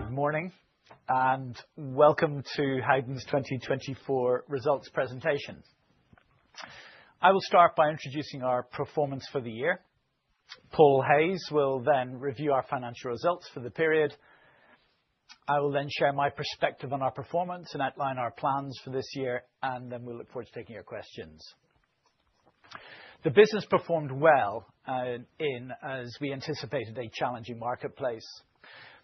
Good morning, and welcome to Howdens' 2024 Results Presentation. I will start by introducing our performance for the year. Paul Hayes will then review our financial results for the period. I will then share my perspective on our performance and outline our plans for this year, and then we'll look forward to taking your questions. The business performed well in, as we anticipated, a challenging marketplace.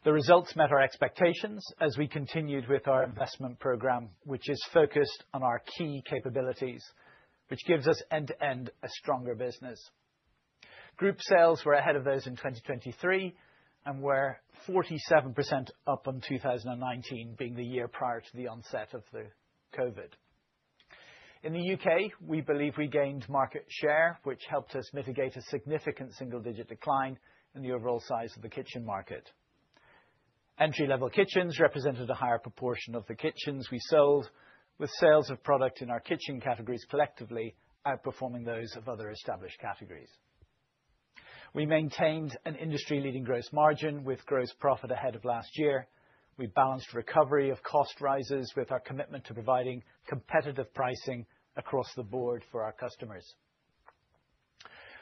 The results met our expectations as we continued with our investment program, which is focused on our key capabilities, which gives us end-to-end a stronger business. Group sales were ahead of those in 2023 and were 47% up on 2019, being the year prior to the onset of COVID. In the UK, we believe we gained market share, which helped us mitigate a significant single-digit decline in the overall size of the kitchen market. Entry-level kitchens represented a higher proportion of the kitchens we sold, with sales of product in our kitchen categories collectively outperforming those of other established categories. We maintained an industry-leading gross margin with gross profit ahead of last year. We balanced recovery of cost rises with our commitment to providing competitive pricing across the board for our customers.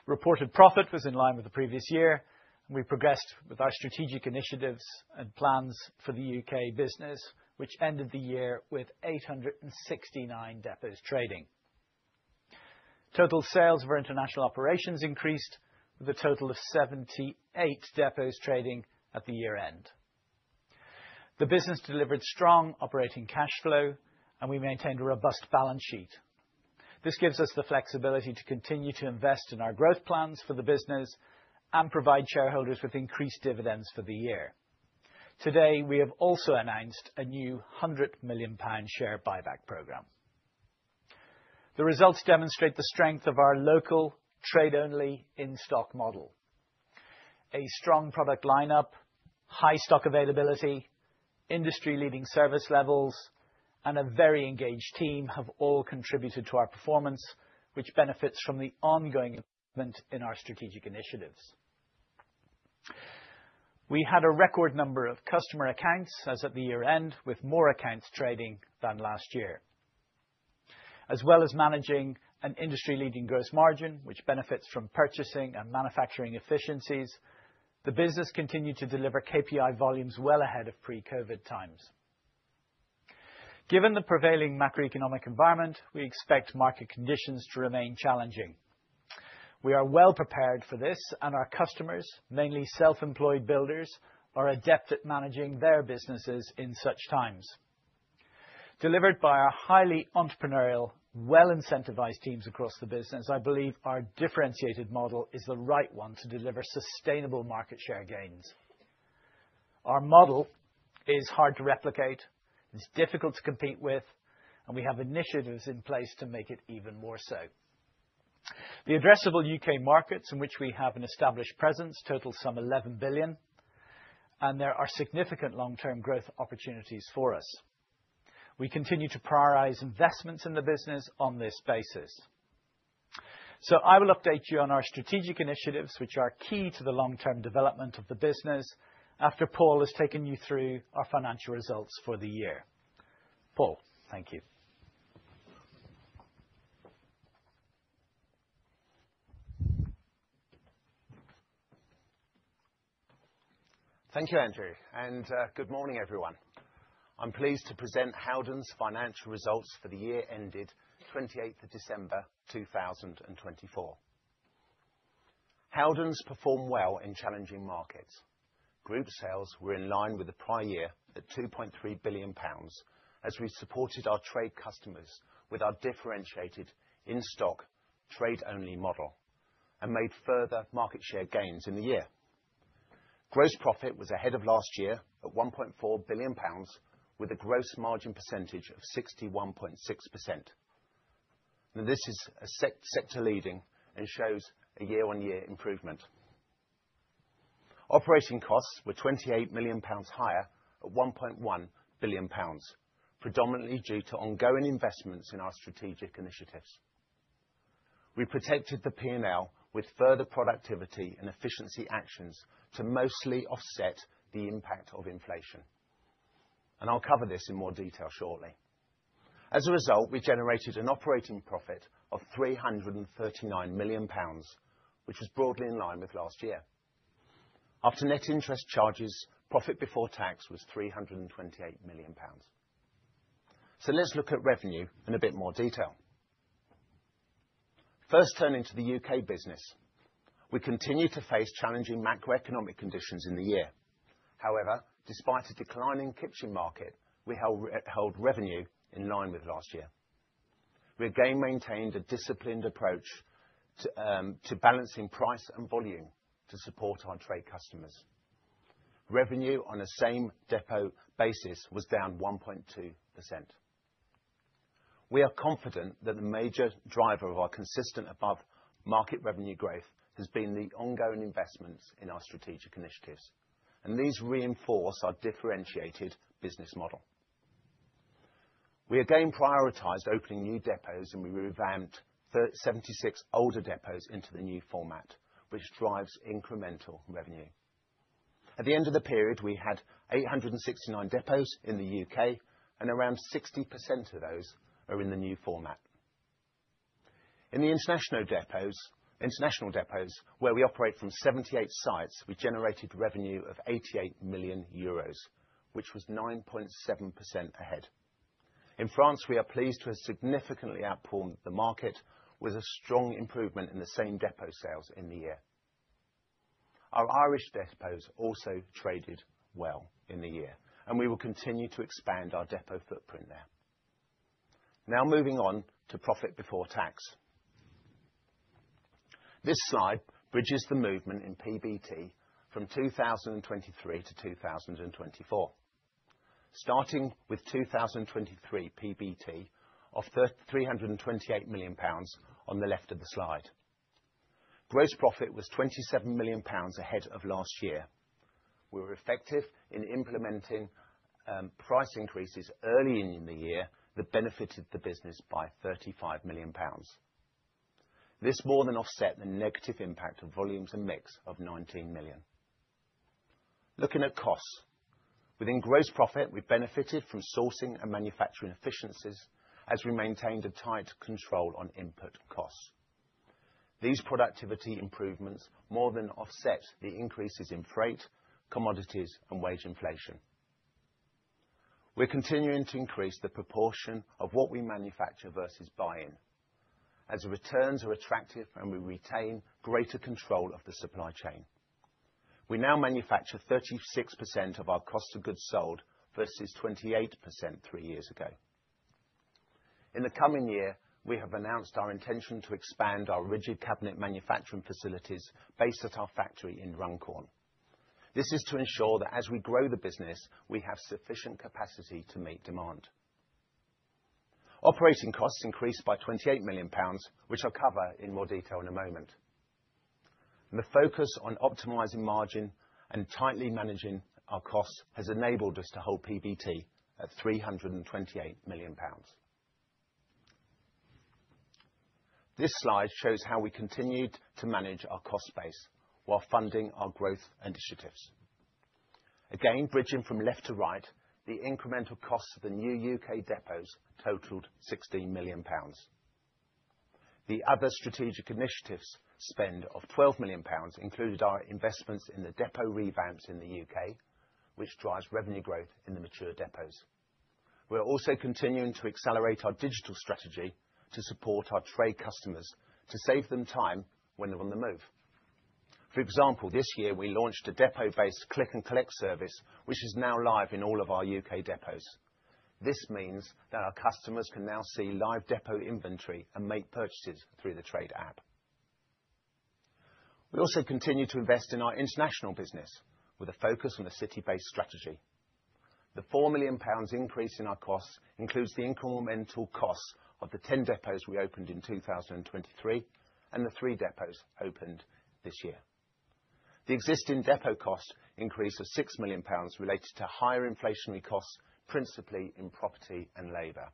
Reported profit was in line with the previous year, and we progressed with our strategic initiatives and plans for the U.K. business, which ended the year with 869 depots trading. Total sales for international operations increased with a total of 78 depots trading at the year-end. The business delivered strong operating cash flow, and we maintained a robust balance sheet. This gives us the flexibility to continue to invest in our growth plans for the business and provide shareholders with increased dividends for the year. Today, we have also announced a new 100 million pound share buyback program. The results demonstrate the strength of our local trade-only in-stock model. A strong product lineup, high stock availability, industry-leading service levels, and a very engaged team have all contributed to our performance, which benefits from the ongoing investment in our strategic initiatives. We had a record number of customer accounts as at the year-end, with more accounts trading than last year. As well as managing an industry-leading gross margin, which benefits from purchasing and manufacturing efficiencies, the business continued to deliver KPI volumes well ahead of pre-COVID times. Given the prevailing macroeconomic environment, we expect market conditions to remain challenging. We are well prepared for this, and our customers, mainly self-employed builders, are adept at managing their businesses in such times. Delivered by our highly entrepreneurial, well-incentivized teams across the business, I believe our differentiated model is the right one to deliver sustainable market share gains. Our model is hard to replicate, it's difficult to compete with, and we have initiatives in place to make it even more so. The addressable UK markets in which we have an established presence total some 11 billion, and there are significant long-term growth opportunities for us. We continue to prioritize investments in the business on this basis. So I will update you on our strategic initiatives, which are key to the long-term development of the business, after Paul has taken you through our financial results for the year. Paul, thank you. Thank you, Andrew, and good morning, everyone. I'm pleased to present Howdens' Financial Results for the Year -ended 28th of December 2024. Howdens performed well in challenging markets. Group sales were in line with the prior year at 2.3 billion pounds as we supported our trade customers with our differentiated in-stock trade-only model and made further market share gains in the year. Gross profit was ahead of last year at 1.4 billion pounds, with a gross margin percentage of 61.6%. Now, this is sector-leading and shows a year-on-year improvement. Operating costs were 28 million pounds higher at 1.1 billion pounds, predominantly due to ongoing investments in our strategic initiatives. We protected the P&L with further productivity and efficiency actions to mostly offset the impact of inflation, and I'll cover this in more detail shortly. As a result, we generated an operating profit of 339 million pounds, which is broadly in line with last year. After net interest charges, profit before tax was 328 million pounds. So let's look at revenue in a bit more detail. First, turning to the UK business, we continue to face challenging macroeconomic conditions in the year. However, despite a declining kitchen market, we held revenue in line with last year. We again maintained a disciplined approach to balancing price and volume to support our trade customers. Revenue on a same-depot basis was down 1.2%. We are confident that the major driver of our consistent above-market revenue growth has been the ongoing investments in our strategic initiatives, and these reinforce our differentiated business model. We again prioritized opening new depots, and we revamped 76 older depots into the new format, which drives incremental revenue. At the end of the period, we had 869 depots in the UK, and around 60% of those are in the new format. In the international depots, where we operate from 78 sites, we generated revenue of 88 million euros, which was 9.7% ahead. In France, we are pleased to have significantly outperformed the market with a strong improvement in the same-depot sales in the year. Our Irish depots also traded well in the year, and we will continue to expand our depot footprint there. Now, moving on to profit before tax. This slide bridges the movement in PBT from 2023 to 2024, starting with 2023 PBT of 328 million pounds on the left of the slide. Gross profit was 27 million pounds ahead of last year. We were effective in implementing price increases early in the year that benefited the business by 35 million pounds. This more than offset the negative impact of volumes and mix of 19 million. Looking at costs, within gross profit, we benefited from sourcing and manufacturing efficiencies as we maintained a tight control on input costs. These productivity improvements more than offset the increases in freight, commodities, and wage inflation. We're continuing to increase the proportion of what we manufacture versus buy-in, as returns are attractive and we retain greater control of the supply chain. We now manufacture 36% of our cost of goods sold versus 28% three years ago. In the coming year, we have announced our intention to expand our rigid cabinet manufacturing facilities based at our factory in Runcorn. This is to ensure that as we grow the business, we have sufficient capacity to meet demand. Operating costs increased by 28 million pounds, which I'll cover in more detail in a moment. The focus on optimizing margin and tightly managing our costs has enabled us to hold PBT at 328 million pounds. This slide shows how we continued to manage our cost base while funding our growth initiatives. Again, bridging from left to right, the incremental costs of the new U.K. depots totaled 16 million pounds. The other strategic initiatives spend of 12 million pounds included our investments in the depot revamps in the U.K., which drives revenue growth in the mature depots. We're also continuing to accelerate our digital strategy to support our trade customers to save them time when they're on the move. For example, this year, we launched a depot-based click-and-collect service, which is now live in all of our U.K. depots. This means that our customers can now see live depot inventory and make purchases through the Trade app. We also continue to invest in our international business with a focus on the city-based strategy. The 4 million pounds increase in our costs includes the incremental costs of the 10 depots we opened in 2023 and the 3 depots opened this year. The existing depot cost increase of 6 million pounds related to higher inflationary costs principally in property and labor.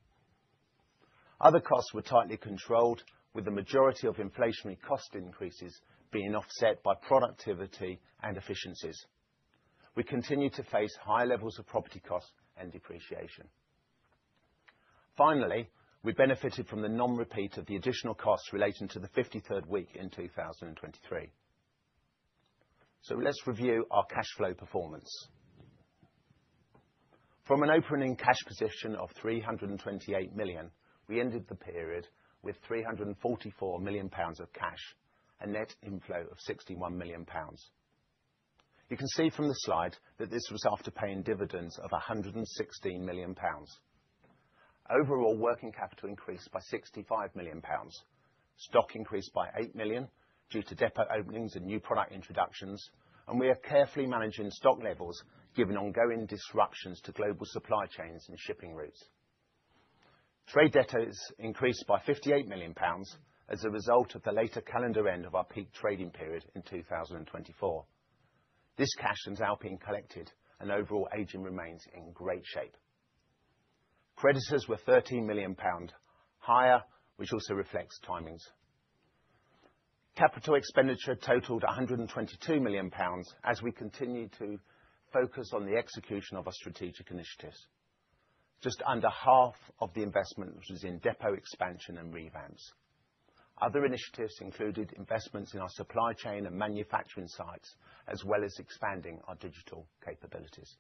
Other costs were tightly controlled, with the majority of inflationary cost increases being offset by productivity and efficiencies. We continue to face high levels of property costs and depreciation. Finally, we benefited from the non-repeat of the additional costs relating to the 53rd week in 2023. So let's review our cash flow performance. From an opening cash position of 328 million, we ended the period with 344 million pounds of cash and net inflow of 61 million pounds. You can see from the slide that this was after paying dividends of 116 million pounds. Overall working capital increased by 65 million pounds. Stock increased by 8 million due to depot openings and new product introductions, and we are carefully managing stock levels given ongoing disruptions to global supply chains and shipping routes. Trade debt has increased by 58 million pounds as a result of the later calendar end of our peak trading period in 2024. This cash ends up being collected, and overall aging remains in great shape. Creditors were 13 million pound higher, which also reflects timings. Capital expenditure totaled 122 million pounds as we continue to focus on the execution of our strategic initiatives. Just under half of the investment was in depot expansion and revamps. Other initiatives included investments in our supply chain and manufacturing sites, as well as expanding our digital capabilities.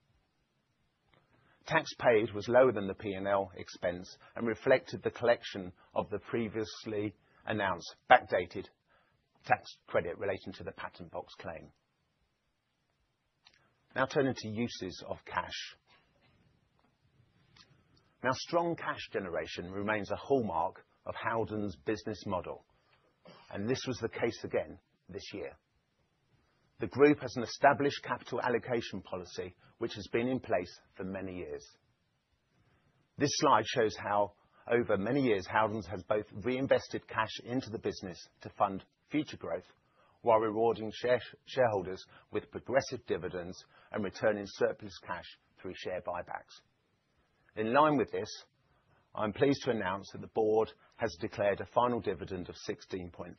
Tax paid was lower than the P&L expense and reflected the collection of the previously announced backdated tax credit relating to the Patent Box claim. Now turning to uses of cash. Now, strong cash generation remains a hallmark of Howdens' business model, and this was the case again this year. The group has an established capital allocation policy, which has been in place for many years. This slide shows how over many years Howdens has both reinvested cash into the business to fund future growth while rewarding shareholders with progressive dividends and returning surplus cash through share buybacks. In line with this, I'm pleased to announce that the board has declared a final dividend of 16.3.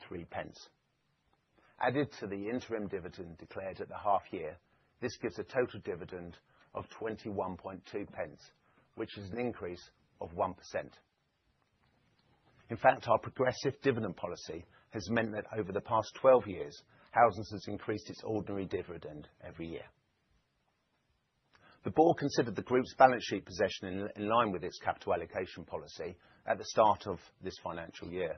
Added to the interim dividend declared at the half year, this gives a total dividend of 21.2, which is an increase of 1%. In fact, our progressive dividend policy has meant that over the past 12 years, Howdens has increased its ordinary dividend every year. The board considered the group's balance sheet position in line with its capital allocation policy at the start of this financial year.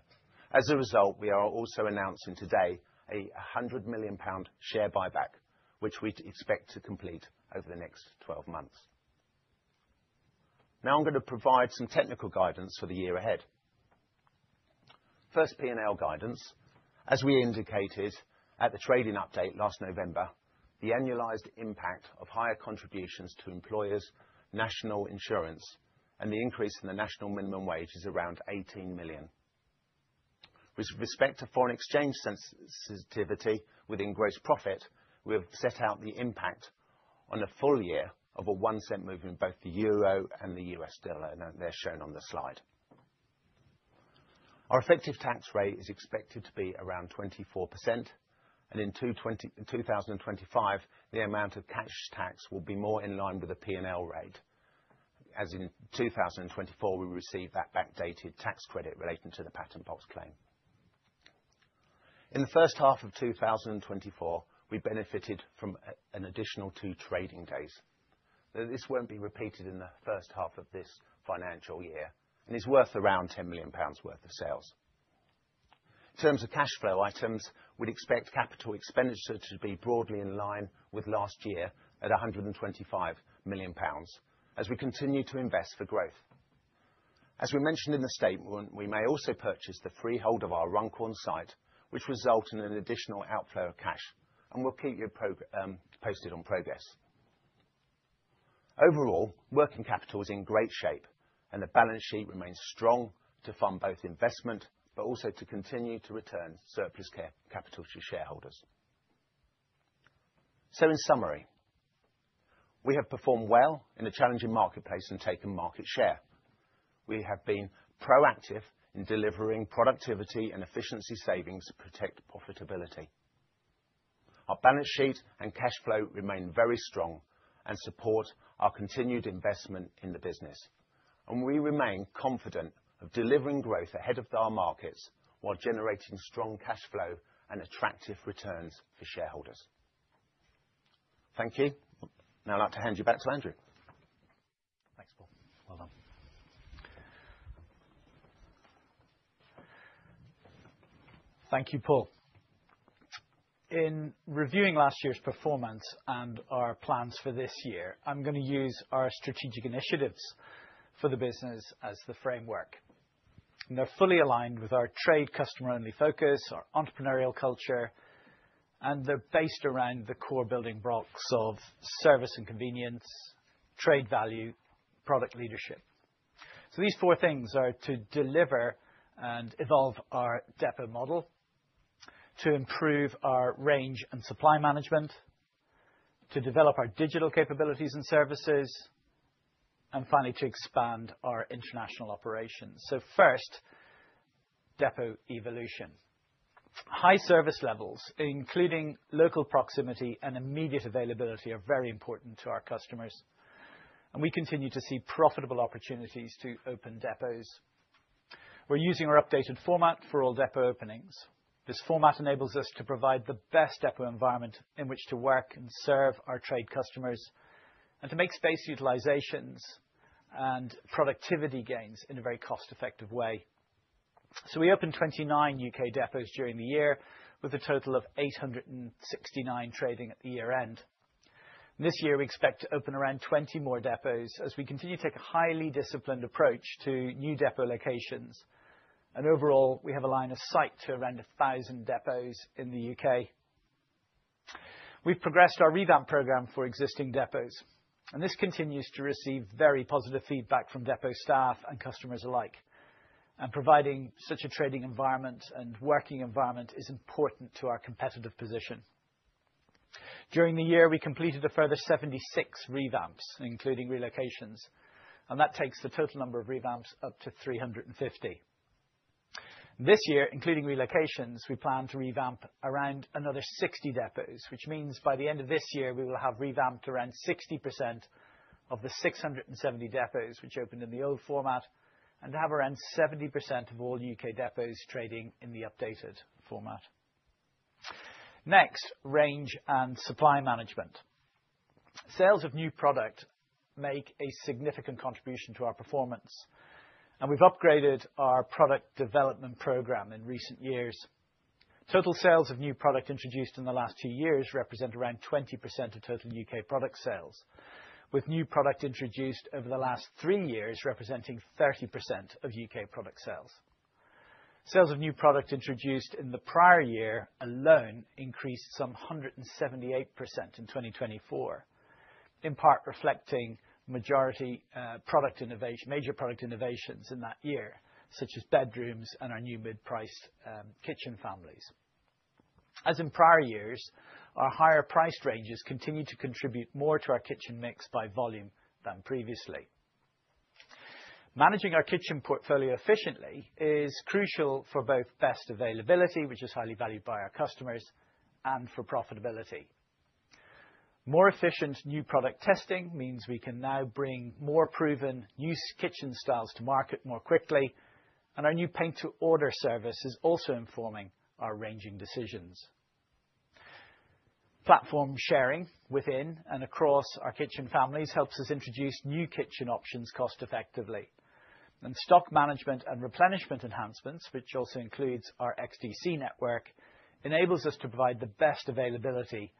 As a result, we are also announcing today a 100 million pound share buyback, which we expect to complete over the next 12 months. Now, I'm going to provide some technical guidance for the year ahead. First, P&L guidance. As we indicated at the trading update last November, the annualized impact of higher contributions to employers, national insurance, and the increase in the national minimum wage is around 18 million. With respect to foreign exchange sensitivity within gross profit, we have set out the impact on a full year of a one-cent movement in both the euro and the US dollar, and they're shown on the slide. Our effective tax rate is expected to be around 24%, and in 2025, the amount of cash tax will be more in line with the P&L rate, as in 2024 we received that backdated tax credit relating to the Patent Box claim. In the first half of 2024, we benefited from an additional two trading days. This won't be repeated in the first half of this financial year, and it's worth around 10 million pounds worth of sales. In terms of cash flow items, we'd expect capital expenditure to be broadly in line with last year at 125 million pounds as we continue to invest for growth. As we mentioned in the statement, we may also purchase the freehold of our Runcorn site, which results in an additional outflow of cash, and we'll keep you posted on progress. Overall, working capital is in great shape, and the balance sheet remains strong to fund both investment but also to continue to return surplus capital to shareholders. So, in summary, we have performed well in a challenging marketplace and taken market share. We have been proactive in delivering productivity and efficiency savings to protect profitability. Our balance sheet and cash flow remain very strong and support our continued investment in the business, and we remain confident of delivering growth ahead of our markets while generating strong cash flow and attractive returns for shareholders. Thank you. Now, I'd like to hand you back to Andrew. Thanks, Paul. Well done. Thank you, Paul. In reviewing last year's performance and our plans for this year, I'm going to use our strategic initiatives for the business as the framework. They're fully aligned with our trade customer-only focus, our entrepreneurial culture, and they're based around the core building blocks of service and convenience, trade value, product leadership. So, these four things are to deliver and evolve our depot model, to improve our range and supply management, to develop our digital capabilities and services, and finally, to expand our international operations. So, first, depot evolution. High service levels, including local proximity and immediate availability, are very important to our customers, and we continue to see profitable opportunities to open depots. We're using our updated format for all depot openings. This format enables us to provide the best depot environment in which to work and serve our trade customers and to make space utilizations and productivity gains in a very cost-effective way. So, we opened 29 U.K. depots during the year with a total of 869 trading at the year-end. This year, we expect to open around 20 more depots as we continue to take a highly disciplined approach to new depot locations, and overall, we have a line of sight to around 1,000 depots in the U.K. We've progressed our revamp program for existing depots, and this continues to receive very positive feedback from depot staff and customers alike, and providing such a trading environment and working environment is important to our competitive position. During the year, we completed a further 76 revamps, including relocations, and that takes the total number of revamps up to 350. This year, including relocations, we plan to revamp around another 60 depots, which means by the end of this year, we will have revamped around 60% of the 670 depots which opened in the old format and have around 70% of all U.K. depots trading in the updated format. Next, range and supply management. Sales of new product make a significant contribution to our performance, and we've upgraded our product development program in recent years. Total sales of new product introduced in the last two years represent around 20% of total UK product sales, with new product introduced over the last three years representing 30% of UK product sales. Sales of new product introduced in the prior year alone increased some 178% in 2024, in part reflecting major product innovations in that year, such as bedrooms and our new mid-priced kitchen families. As in prior years, our higher price ranges continue to contribute more to our kitchen mix by volume than previously. Managing our kitchen portfolio efficiently is crucial for both best availability, which is highly valued by our customers, and for profitability. More efficient new product testing means we can now bring more proven new kitchen styles to market more quickly, and our new paint-to-order service is also informing our ranging decisions. Platform sharing within and across our kitchen families helps us introduce new kitchen options cost-effectively, and stock management and replenishment enhancements, which also includes our XDC network, enables us to provide the best availability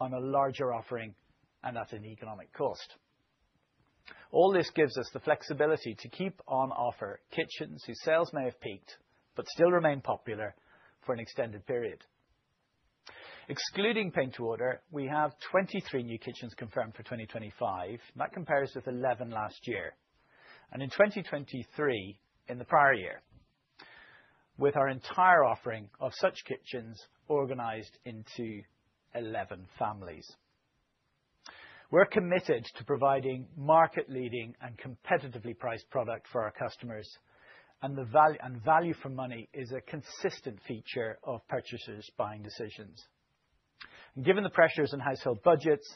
on a larger offering and at an economic cost. All this gives us the flexibility to keep on offer kitchens whose sales may have peaked but still remain popular for an extended period. Excluding paint-to-order, we have 23 new kitchens confirmed for 2025, and that compares with 11 last year and in 2023 in the prior year, with our entire offering of such kitchens organized into 11 families. We're committed to providing market-leading and competitively priced product for our customers, and the value for money is a consistent feature of purchasers' buying decisions. Given the pressures on household budgets,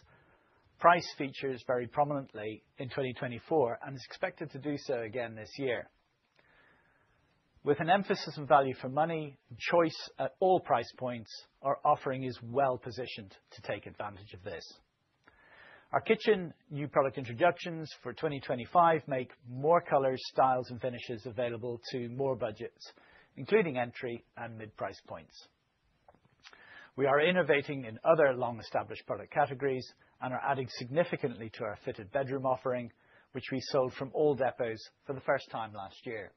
price features very prominently in 2024 and is expected to do so again this year. With an emphasis on value for money and choice at all price points, our offering is well positioned to take advantage of this. Our kitchen new product introductions for 2025 make more colors, styles, and finishes available to more budgets, including entry and mid-price points. We are innovating in other long-established product categories and are adding significantly to our fitted bedroom offering, which we sold from all depots for the first time last year.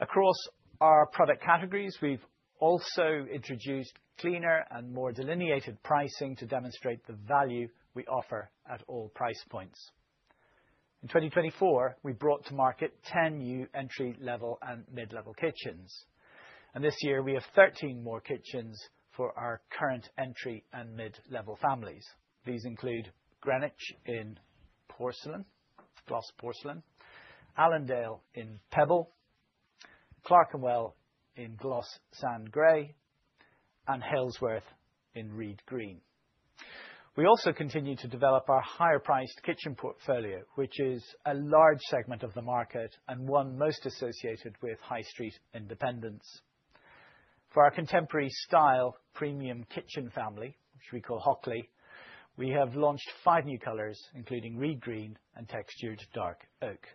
Across our product categories, we've also introduced cleaner and more delineated pricing to demonstrate the value we offer at all price points. In 2024, we brought to market 10 new entry-level and mid-level kitchens, and this year, we have 13 more kitchens for our current entry and mid-level families. These include Greenwich in Gloss Porcelain, Allendale in Pebble, Clerkenwell in Gloss Sand Grey, and Halesworth in Reed Green. We also continue to develop our higher-priced kitchen portfolio, which is a large segment of the market and one most associated with high street independents. For our contemporary style premium kitchen family, which we call Hockley, we have launched five new colors, including Reed Green and Textured Dark Oak.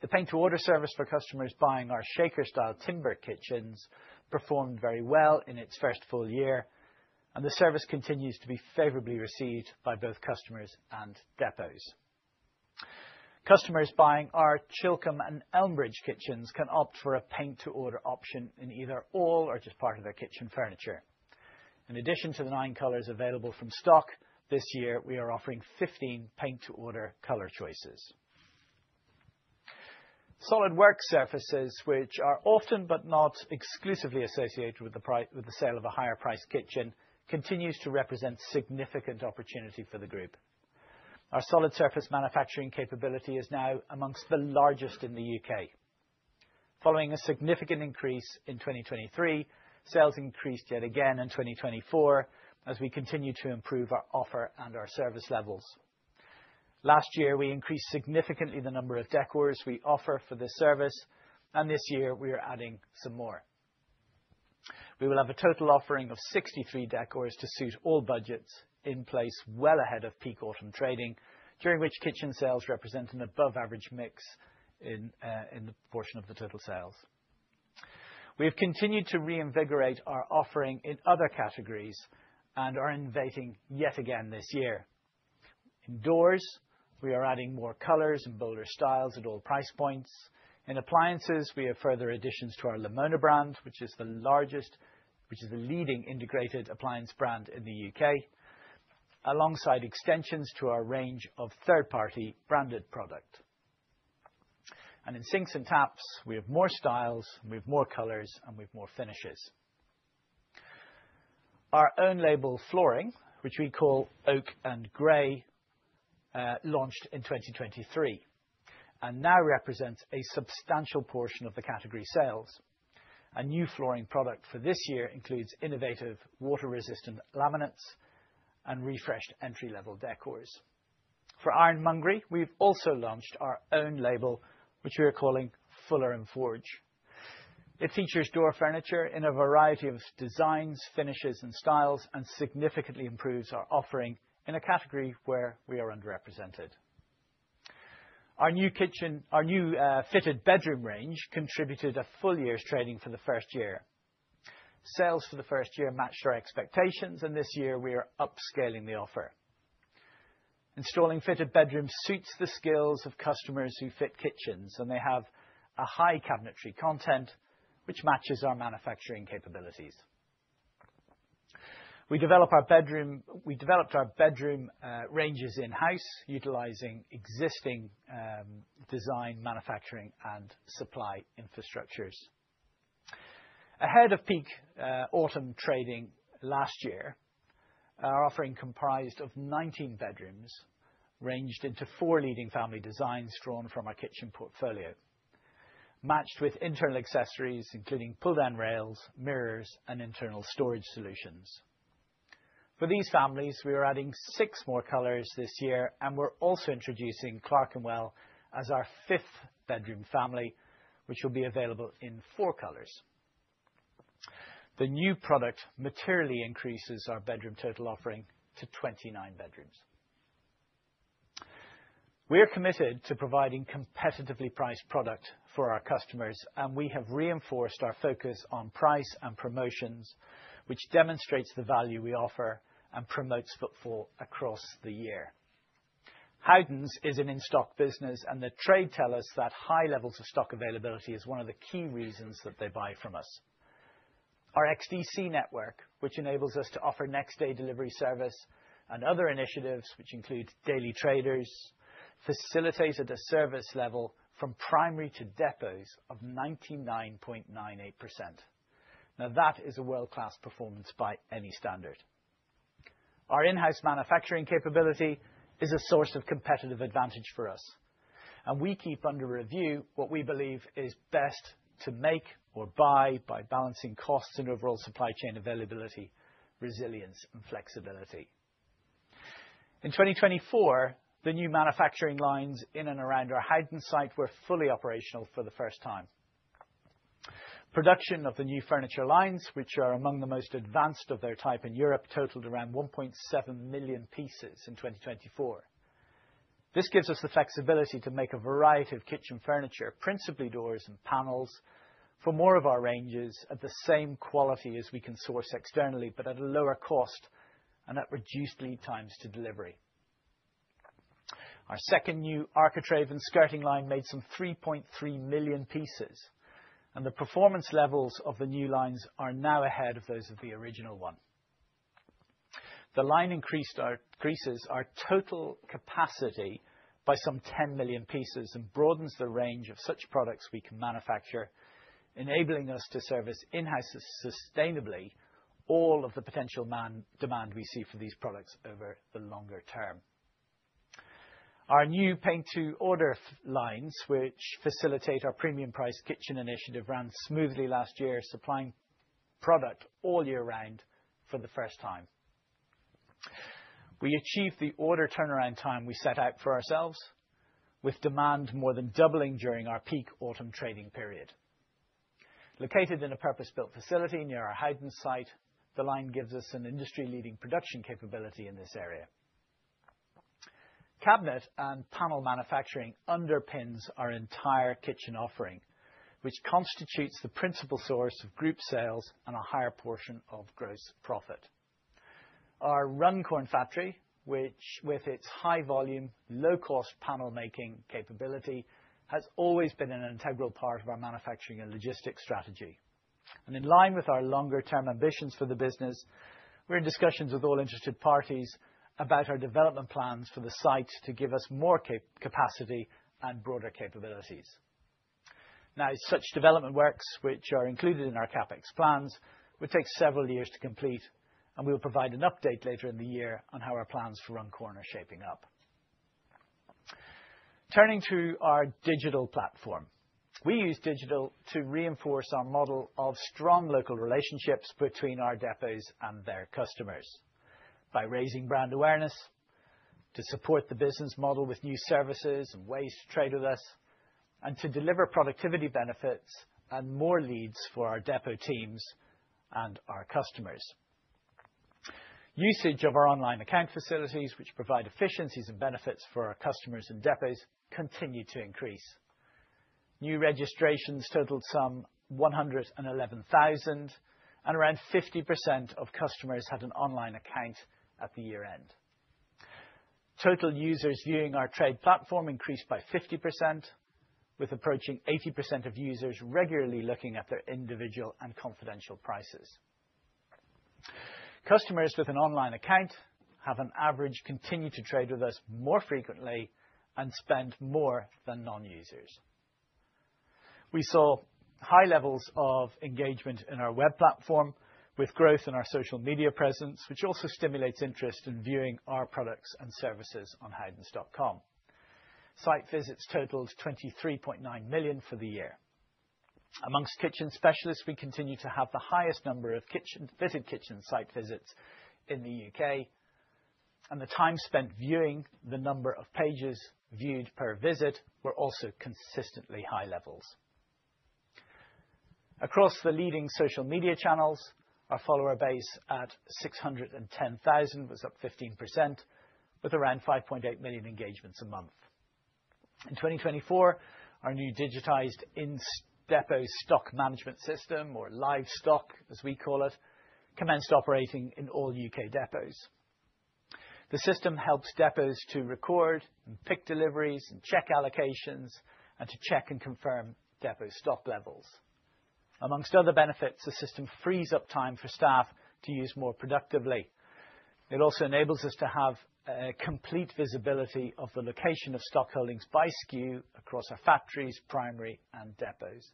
The paint-to-order service for customers buying our shaker-style timber kitchens performed very well in its first full year, and the service continues to be favorably received by both customers and depots. Customers buying our Chilcombe and Elmbridge kitchens can opt for a paint-to-order option in either all or just part of their kitchen furniture. In addition to the nine colors available from stock this year, we are offering 15 paint-to-order color choices. Solid work surfaces, which are often but not exclusively associated with the sale of a higher-priced kitchen, continue to represent significant opportunity for the group. Our solid surface manufacturing capability is now among the largest in the U.K. Following a significant increase in 2023, sales increased yet again in 2024 as we continue to improve our offer and our service levels. Last year, we increased significantly the number of decors we offer for this service, and this year, we are adding some more. We will have a total offering of 63 decors to suit all budgets in place well ahead of peak autumn trading, during which kitchen sales represent an above-average mix in the portion of the total sales. We have continued to reinvigorate our offering in other categories and are innovating yet again this year. Indoors, we are adding more colors and bolder styles at all price points. In appliances, we have further additions to our Lamona brand, which is the leading integrated appliance brand in the UK, alongside extensions to our range of third-party branded product. In sinks and taps, we have more styles, we have more colors, and we have more finishes. Our own label flooring, which we call Oaken & Grey, launched in 2023 and now represents a substantial portion of the category sales. A new flooring product for this year includes innovative water-resistant laminates and refreshed entry-level decors. For ironmongery, we've also launched our own label, which we are calling Fuller & Forge. It features door furniture in a variety of designs, finishes, and styles, and significantly improves our offering in a category where we are underrepresented. Our new fitted bedroom range contributed a full year's trading for the first year. Sales for the first year matched our expectations, and this year, we are upscaling the offer. Installing fitted bedrooms suits the skills of customers who fit kitchens, and they have a high cabinetry content, which matches our manufacturing capabilities. We developed our bedroom ranges in-house, utilizing existing design, manufacturing, and supply infrastructures. Ahead of peak autumn trading last year, our offering comprised of 19 bedrooms ranged into four leading family designs drawn from our kitchen portfolio, matched with internal accessories, including pull-down rails, mirrors, and internal storage solutions. For these families, we are adding six more colors this year, and we're also introducing Clerkenwell as our fifth bedroom family, which will be available in four colors. The new product materially increases our bedroom total offering to 29 bedrooms. We are committed to providing competitively priced product for our customers, and we have reinforced our focus on price and promotions, which demonstrates the value we offer and promotes footfall across the year. Howdens is an in-stock business, and the trade tell us that high levels of stock availability is one of the key reasons that they buy from us. Our XDC network, which enables us to offer next-day delivery service and other initiatives, which include Daily Traders, facilitated a service level from primary to depots of 99.98%. Now, that is a world-class performance by any standard. Our in-house manufacturing capability is a source of competitive advantage for us, and we keep under review what we believe is best to make or buy by balancing costs and overall supply chain availability, resilience, and flexibility. In 2024, the new manufacturing lines in and around our Howden site were fully operational for the first time. Production of the new furniture lines, which are among the most advanced of their type in Europe, totaled around 1.7 million pieces in 2024. This gives us the flexibility to make a variety of kitchen furniture, principally doors and panels, for more of our ranges at the same quality as we can source externally, but at a lower cost and at reduced lead times to delivery. Our second new architrave and skirting line made some 3.3 million pieces, and the performance levels of the new lines are now ahead of those of the original one. The line increases our total capacity by some 10 million pieces and broadens the range of such products we can manufacture, enabling us to service in-house sustainably all of the potential demand we see for these products over the longer term. Our new paint-to-order lines, which facilitate our premium-priced kitchen initiative, ran smoothly last year, supplying product all year round for the first time. We achieved the order turnaround time we set out for ourselves, with demand more than doubling during our peak autumn trading period. Located in a purpose-built facility near our site, the line gives us an industry-leading production capability in this area. Cabinet and panel manufacturing underpins our entire kitchen offering, which constitutes the principal source of group sales and a higher portion of gross profit. Our Runcorn factory, which, with its high-volume, low-cost panel-making capability, has always been an integral part of our manufacturing and logistics strategy. And in line with our longer-term ambitions for the business, we're in discussions with all interested parties about our development plans for the site to give us more capacity and broader capabilities. Now, such development works, which are included in our CapEx plans, would take several years to complete, and we will provide an update later in the year on how our plans for Runcorn are shaping up. Turning to our digital platform, we use digital to reinforce our model of strong local relationships between our depots and their customers by raising brand awareness to support the business model with new services and ways to trade with us, and to deliver productivity benefits and more leads for our depot teams and our customers. Usage of our online account facilities, which provide efficiencies and benefits for our customers and depots, continued to increase. New registrations totaled some 111,000, and around 50% of customers had an online account at the year-end. Total users viewing our trade platform increased by 50%, with approaching 80% of users regularly looking at their individual and confidential prices. Customers with an online account have an average continued to trade with us more frequently and spend more than non-users. We saw high levels of engagement in our web platform, with growth in our social media presence, which also stimulates interest in viewing our products and services on howdens.com. Site visits totaled 23.9 million for the year. Amongst kitchen specialists, we continue to have the highest number of fitted kitchen site visits in the U.K., and the time spent viewing the number of pages viewed per visit were also consistently high levels. Across the leading social media channels, our follower base at 610,000 was up 15%, with around 5.8 million engagements a month. In 2024, our new digitized in-depot stock management system, or live stock, as we call it, commenced operating in all U.K. depots. The system helps depots to record and pick deliveries and check allocations and to check and confirm depot stock levels. Among other benefits, the system frees up time for staff to use more productively. It also enables us to have complete visibility of the location of stock holdings by SKU across our factories, primary, and depots.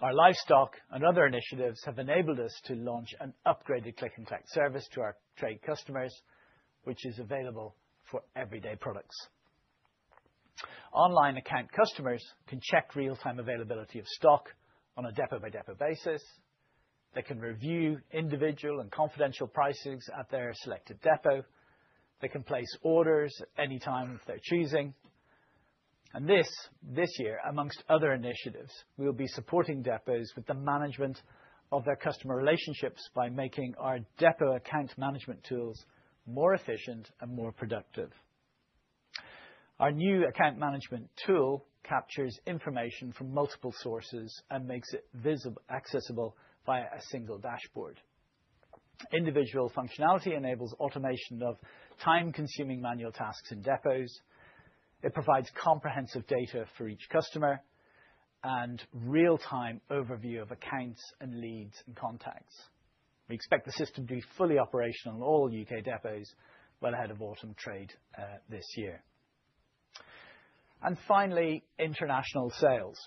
Our live stock and other initiatives have enabled us to launch an upgraded click-and-collect service to our trade customers, which is available for everyday products. Online account customers can check real-time availability of stock on a depot-by-depot basis. They can review individual and confidential prices at their selected depot. They can place orders anytime of their choosing. This year, among other initiatives, we will be supporting depots with the management of their customer relationships by making our depot account management tools more efficient and more productive. Our new account management tool captures information from multiple sources and makes it accessible via a single dashboard. Individual functionality enables automation of time-consuming manual tasks in depots. It provides comprehensive data for each customer and real-time overview of accounts and leads and contacts. We expect the system to be fully operational in all U.K. depots well ahead of autumn trade this year. And finally, international sales.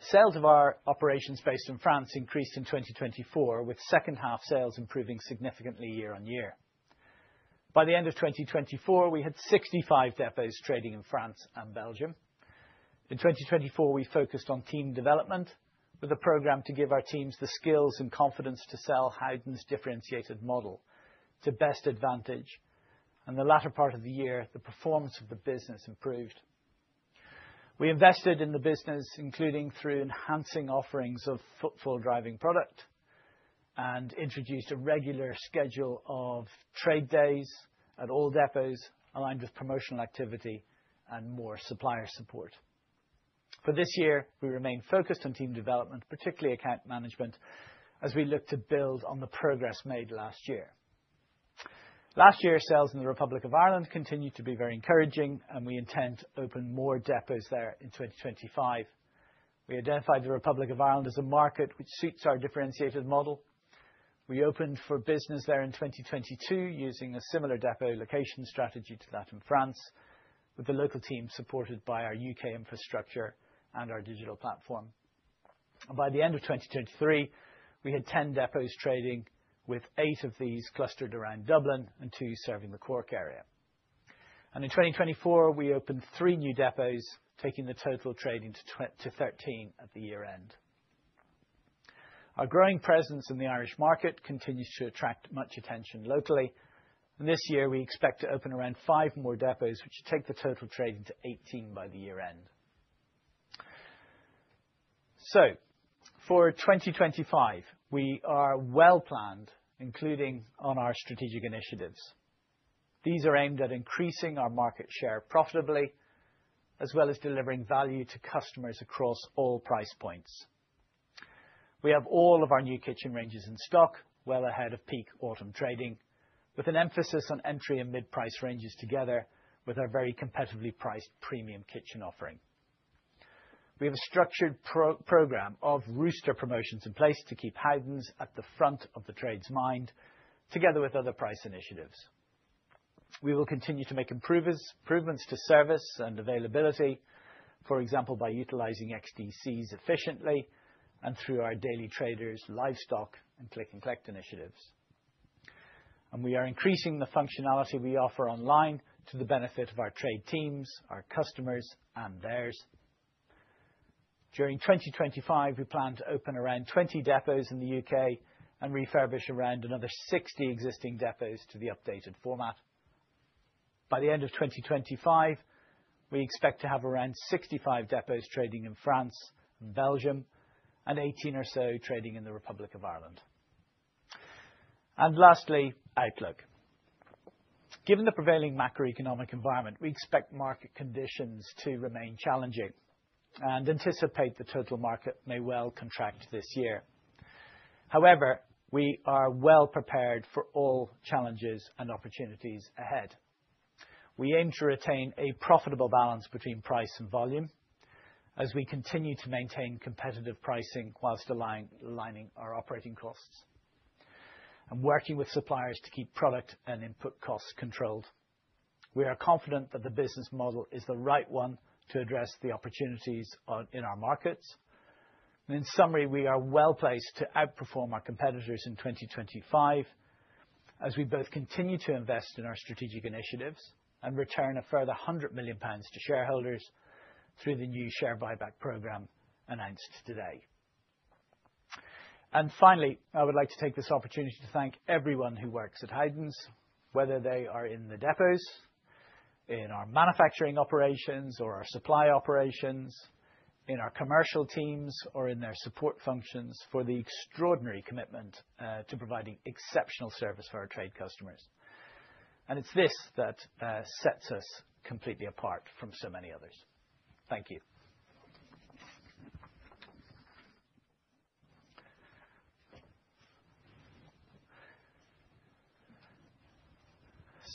Sales of our operations based in France increased in 2024, with second-half sales improving significantly year on year. By the end of 2024, we had 65 depots trading in France and Belgium. In 2024, we focused on team development with a program to give our teams the skills and confidence to sell Howdens' differentiated model to best advantage. In the latter part of the year, the performance of the business improved. We invested in the business, including through enhancing offerings of footfall-driving product and introduced a regular schedule of trade days at all depots, aligned with promotional activity and more supplier support. For this year, we remain focused on team development, particularly account management, as we look to build on the progress made last year. Last year, sales in the Republic of Ireland continued to be very encouraging, and we intend to open more depots there in 2025. We identified the Republic of Ireland as a market which suits our differentiated model. We opened for business there in 2022 using a similar depot location strategy to that in France, with the local team supported by our U.K. infrastructure and our digital platform. By the end of 2023, we had 10 depots trading, with eight of these clustered around Dublin and two serving the Cork area, and in 2024, we opened three new depots, taking the total trading to 13 at the year-end. Our growing presence in the Irish market continues to attract much attention locally. This year, we expect to open around five more depots, which take the total trading to 18 by the year-end. So for 2025, we are well-planned, including on our strategic initiatives. These are aimed at increasing our market share profitably, as well as delivering value to customers across all price points. We have all of our new kitchen ranges in stock, well ahead of peak autumn trading, with an emphasis on entry and mid-price ranges together with our very competitively priced premium kitchen offering. We have a structured program of customer promotions in place to keep Howdens at the front of the trade's mind, together with other price initiatives. We will continue to make improvements to service and availability, for example, by utilizing XDCs efficiently and through our Daily Traders' Live Stock and Click & Collect initiatives. And we are increasing the functionality we offer online to the benefit of our trade teams, our customers, and theirs. During 2025, we plan to open around 20 depots in the U.K. and refurbish around another 60 existing depots to the updated format. By the end of 2025, we expect to have around 65 depots trading in France and Belgium and 18 or so trading in the Republic of Ireland. And lastly, outlook. Given the prevailing macroeconomic environment, we expect market conditions to remain challenging and anticipate the total market may well contract this year. However, we are well-prepared for all challenges and opportunities ahead. We aim to retain a profitable balance between price and volume as we continue to maintain competitive pricing whilst aligning our operating costs and working with suppliers to keep product and input costs controlled. We are confident that the business model is the right one to address the opportunities in our markets. And in summary, we are well-placed to outperform our competitors in 2025 as we both continue to invest in our strategic initiatives and return a further 100 million pounds to shareholders through the new share buyback program announced today. And finally, I would like to take this opportunity to thank everyone who works at Howdens, whether they are in the depots, in our manufacturing operations or our supply operations, in our commercial teams, or in their support functions for the extraordinary commitment to providing exceptional service for our trade customers. And it's this that sets us completely apart from so many others. Thank you.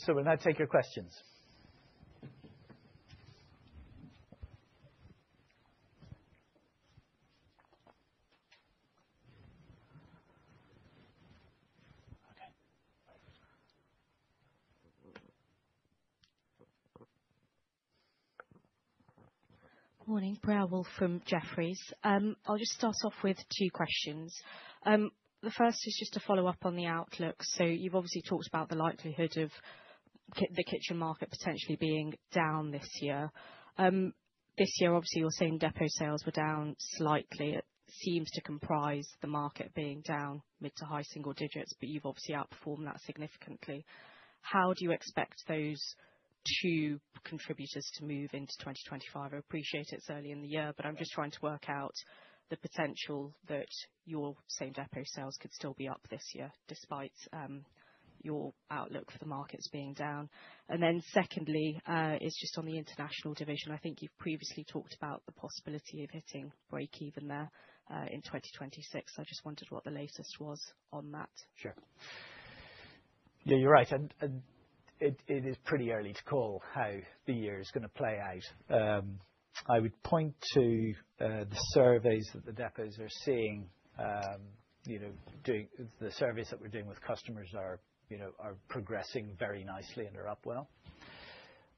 So we'll now take your questions. Okay. Morning, Priyal Woolf from Jefferies. I'll just start off with two questions. The first is just to follow up on the outlook. So you've obviously talked about the likelihood of the kitchen market potentially being down this year. This year, obviously, your same depot sales were down slightly. It seems to comprise the market being down mid to high single digits, but you've obviously outperformed that significantly. How do you expect those two contributors to move into 2025? I appreciate it's early in the year, but I'm just trying to work out the potential that your same depot sales could still be up this year despite your outlook for the markets being down. And then secondly, it's just on the international division. I think you've previously talked about the possibility of hitting break-even there in 2026. I just wondered what the latest was on that. Sure. Yeah, you're right. And it is pretty early to call how the year is going to play out. I would point to the surveys that the depots are seeing. The surveys that we're doing with customers are progressing very nicely and are up well.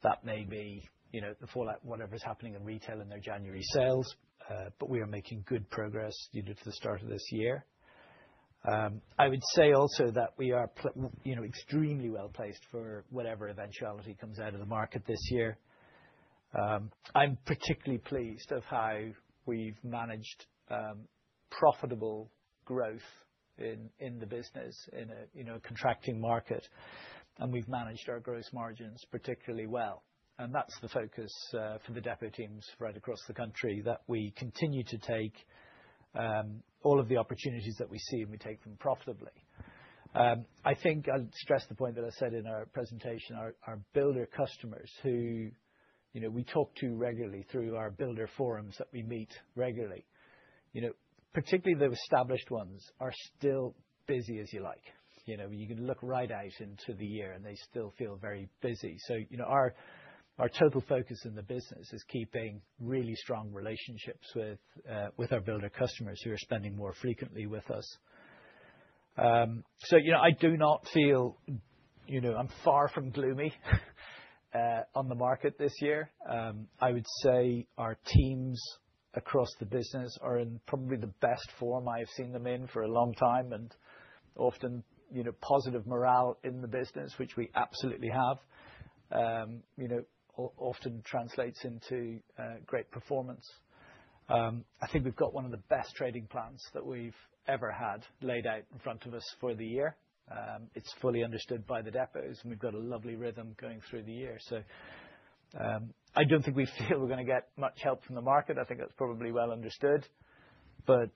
That may be the fallout, whatever is happening in retail in their January sales, but we are making good progress to the start of this year. I would say also that we are extremely well-placed for whatever eventuality comes out of the market this year. I'm particularly pleased of how we've managed profitable growth in the business in a contracting market, and we've managed our gross margins particularly well, and that's the focus for the depot teams right across the country, that we continue to take all of the opportunities that we see and we take them profitably. I think I'll stress the point that I said in our presentation. Our builder customers who we talk to regularly through our builder forums that we meet regularly, particularly the established ones, are still busy as you like. You can look right out into the year, and they still feel very busy. So our total focus in the business is keeping really strong relationships with our builder customers who are spending more frequently with us. So I do not feel I'm far from gloomy on the market this year. I would say our teams across the business are in probably the best form I have seen them in for a long time. And often, positive morale in the business, which we absolutely have, often translates into great performance. I think we've got one of the best trading plans that we've ever had laid out in front of us for the year. It's fully understood by the depots, and we've got a lovely rhythm going through the year. So I don't think we feel we're going to get much help from the market. I think that's probably well understood. But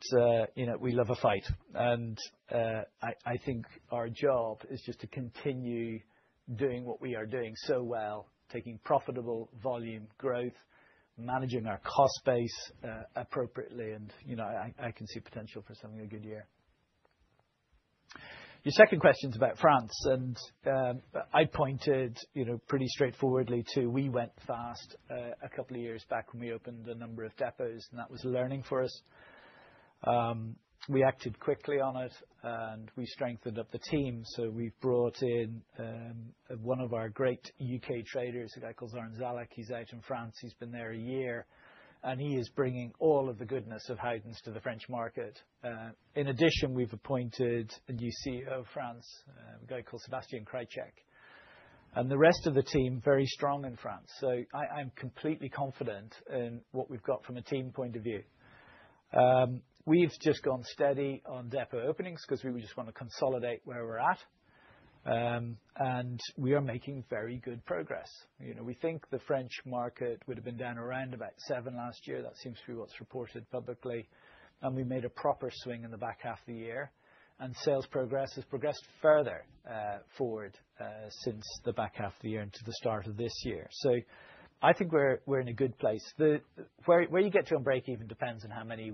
we love a fight. And I think our job is just to continue doing what we are doing so well, taking profitable volume growth, managing our cost base appropriately. And I can see potential for something a good year. Your second question is about France. And I pointed pretty straightforwardly to we went fast a couple of years back when we opened a number of depots, and that was learning for us. We acted quickly on it, and we strengthened up the team. So we've brought in one of our great UK traders, a guy called Zoran Zelek. He's out in France. He's been there a year. And he is bringing all of the goodness of Howdens to the French market. In addition, we've appointed a new CEO of France, a guy called Sébastien Krysiak. And the rest of the team, very strong in France. So I'm completely confident in what we've got from a team point of view. We've just gone steady on depot openings because we just want to consolidate where we're at. And we are making very good progress. We think the French market would have been down around about 7% last year. That seems to be what's reported publicly. And we made a proper swing in the back half of the year. And sales progress has progressed further forward since the back half of the year into the start of this year. So I think we're in a good place. Where you get to on break-even depends on how many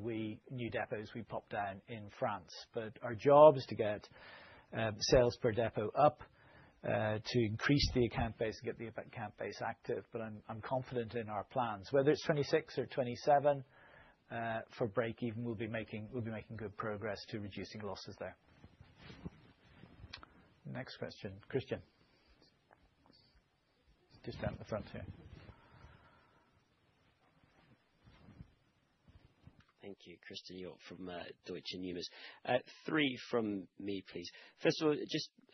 new depots we pop down in France. But our job is to get sales per depot up to increase the account base and get the account base active. But I'm confident in our plans. Whether it's 26 or 27 for break-even, we'll be making good progress to reducing losses there. Next question, Christen. Just out in the front here. Thank you, Christen from Deutsche Numis. Three from me, please. First of all,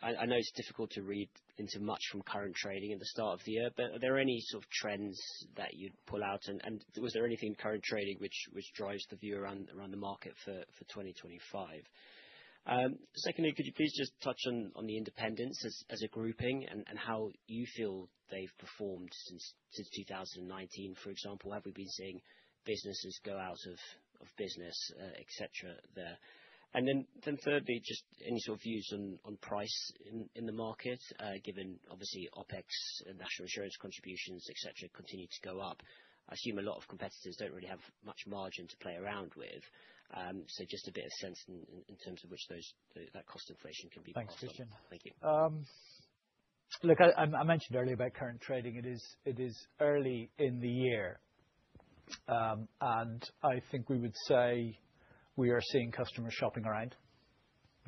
I know it's difficult to read into much from current trading at the start of the year, but are there any sort of trends that you'd pull out? And was there anything in current trading which drives the view around the market for 2025? Secondly, could you please just touch on the independents as a grouping and how you feel they've performed since 2019, for example? Have we been seeing businesses go out of business, etc. there? And then thirdly, just any sort of views on price in the market, given obviously OpEx, national insurance contributions, etc., continue to go up. I assume a lot of competitors don't really have much margin to play around with. So just a bit of sense in terms of which that cost inflation can be possible. Thanks, Christen. Thank you. Look, I mentioned earlier about current trading. It is early in the year. And I think we would say we are seeing customers shopping around.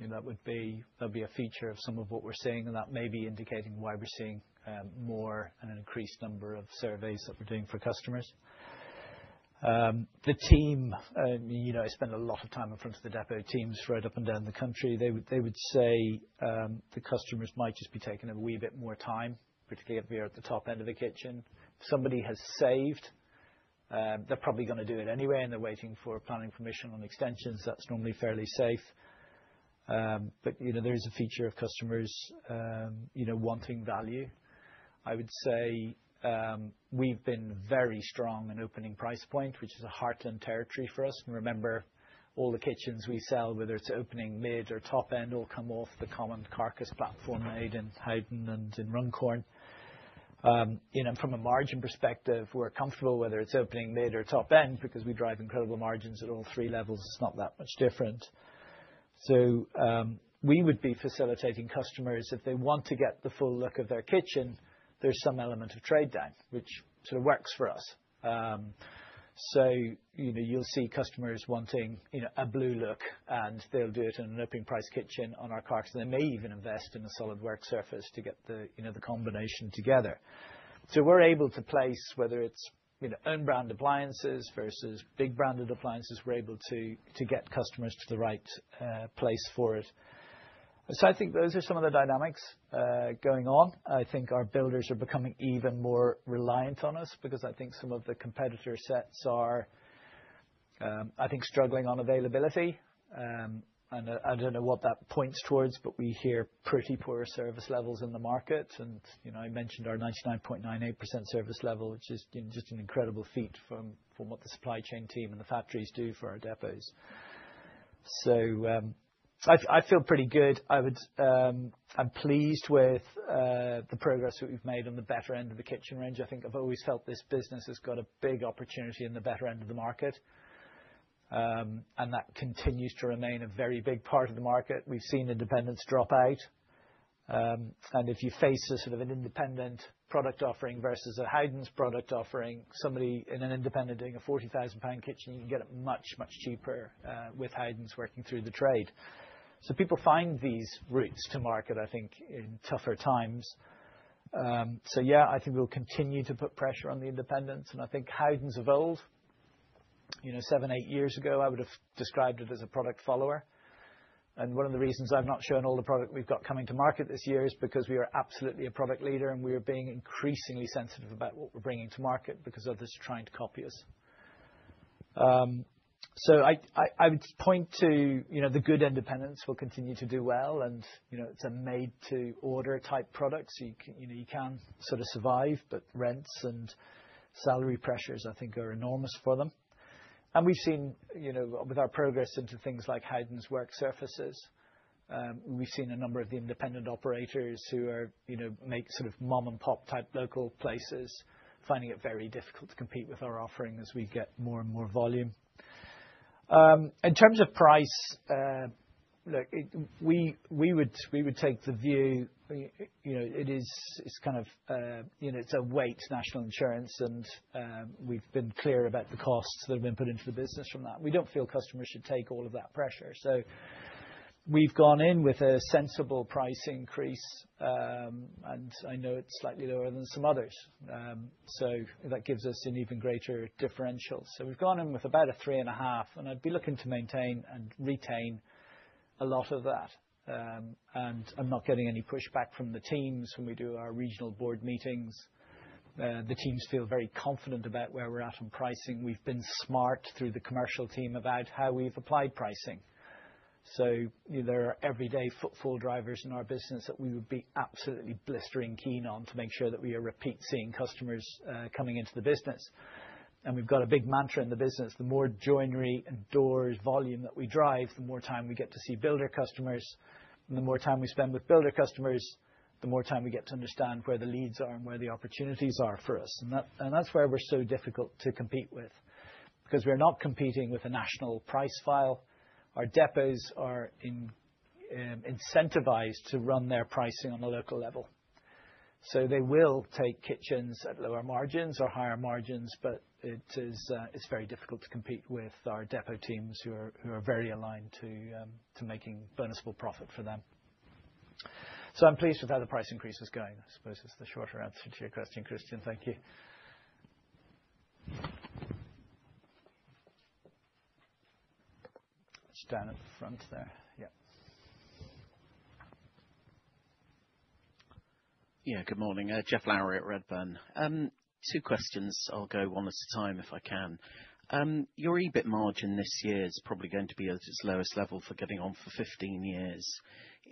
That would be a feature of some of what we're seeing, and that may be indicating why we're seeing more and an increased number of surveys that we're doing for customers. The team, I spend a lot of time in front of the depot teams throughout up and down the country. They would say the customers might just be taking a wee bit more time, particularly if we are at the top end of the kitchen. If somebody has saved, they're probably going to do it anyway, and they're waiting for planning permission on extensions. That's normally fairly safe. But there is a feature of customers wanting value. I would say we've been very strong in opening price point, which is a heartland territory for us. And remember, all the kitchens we sell, whether it's opening mid or top end, all come off the common carcass platform made in Howden and in Runcorn. From a margin perspective, we're comfortable whether it's opening mid or top end because we drive incredible margins at all three levels. It's not that much different. So we would be facilitating customers if they want to get the full look of their kitchen. There's some element of trade down, which sort of works for us. So you'll see customers wanting a blue look, and they'll do it in an opening price kitchen on our carcass. They may even invest in a solid work surface to get the combination together. So we're able to place, whether it's own brand appliances versus big branded appliances, we're able to get customers to the right place for it. So I think those are some of the dynamics going on. I think our builders are becoming even more reliant on us because I think some of the competitor sets are, I think, struggling on availability, and I don't know what that points towards, but we hear pretty poor service levels in the market. I mentioned our 99.98% service level, which is just an incredible feat from what the supply chain team and the factories do for our depots. I feel pretty good. I'm pleased with the progress that we've made on the better end of the kitchen range. I think I've always felt this business has got a big opportunity in the better end of the market. That continues to remain a very big part of the market. We've seen independents drop out. If you face a sort of an independent product offering versus a Howdens product offering, somebody in an independent doing a 40,000 pound kitchen, you can get it much, much cheaper with Howdens working through the trade. People find these routes to market, I think, in tougher times. Yeah, I think we'll continue to put pressure on the independents. I think Howdens evolved. Seven, eight years ago, I would have described it as a product follower. And one of the reasons I've not shown all the product we've got coming to market this year is because we are absolutely a product leader, and we are being increasingly sensitive about what we're bringing to market because others are trying to copy us. So I would point to the good independents will continue to do well. And it's a made-to-order type product, so you can sort of survive, but rents and salary pressures, I think, are enormous for them. And we've seen, with our progress into things like Howdens' work surfaces, we've seen a number of the independent operators who make sort of mom-and-pop type local places finding it very difficult to compete with our offering as we get more and more volume. In terms of price, look, we would take the view it is kind of it's a wage, national insurance, and we've been clear about the costs that have been put into the business from that. We don't feel customers should take all of that pressure. So we've gone in with a sensible price increase, and I know it's slightly lower than some others. So that gives us an even greater differential. So we've gone in with about 3.5%, and I'd be looking to maintain and retain a lot of that, and I'm not getting any pushback from the teams when we do our regional board meetings. The teams feel very confident about where we're at on pricing. We've been smart through the commercial team about how we've applied pricing. So there are everyday footfall drivers in our business that we would be absolutely blistering keen on to make sure that we are repeat seeing customers coming into the business. And we've got a big mantra in the business. The more joinery and doors volume that we drive, the more time we get to see builder customers. And the more time we spend with builder customers, the more time we get to understand where the leads are and where the opportunities are for us. And that's where we're so difficult to compete with because we're not competing with a national price file. Our depots are incentivized to run their pricing on a local level. So they will take kitchens at lower margins or higher margins, but it's very difficult to compete with our depot teams who are very aligned to making bonusable profit for them. So I'm pleased with how the price increase is going. I suppose it's the shorter answer to your question, Christian. Thank you. It's down at the front there. Yeah. Yeah, good morning. Geoff Lowery at Redburn. Two questions. I'll go one at a time if I can. Your EBIT margin this year is probably going to be at its lowest level for getting on for 15 years.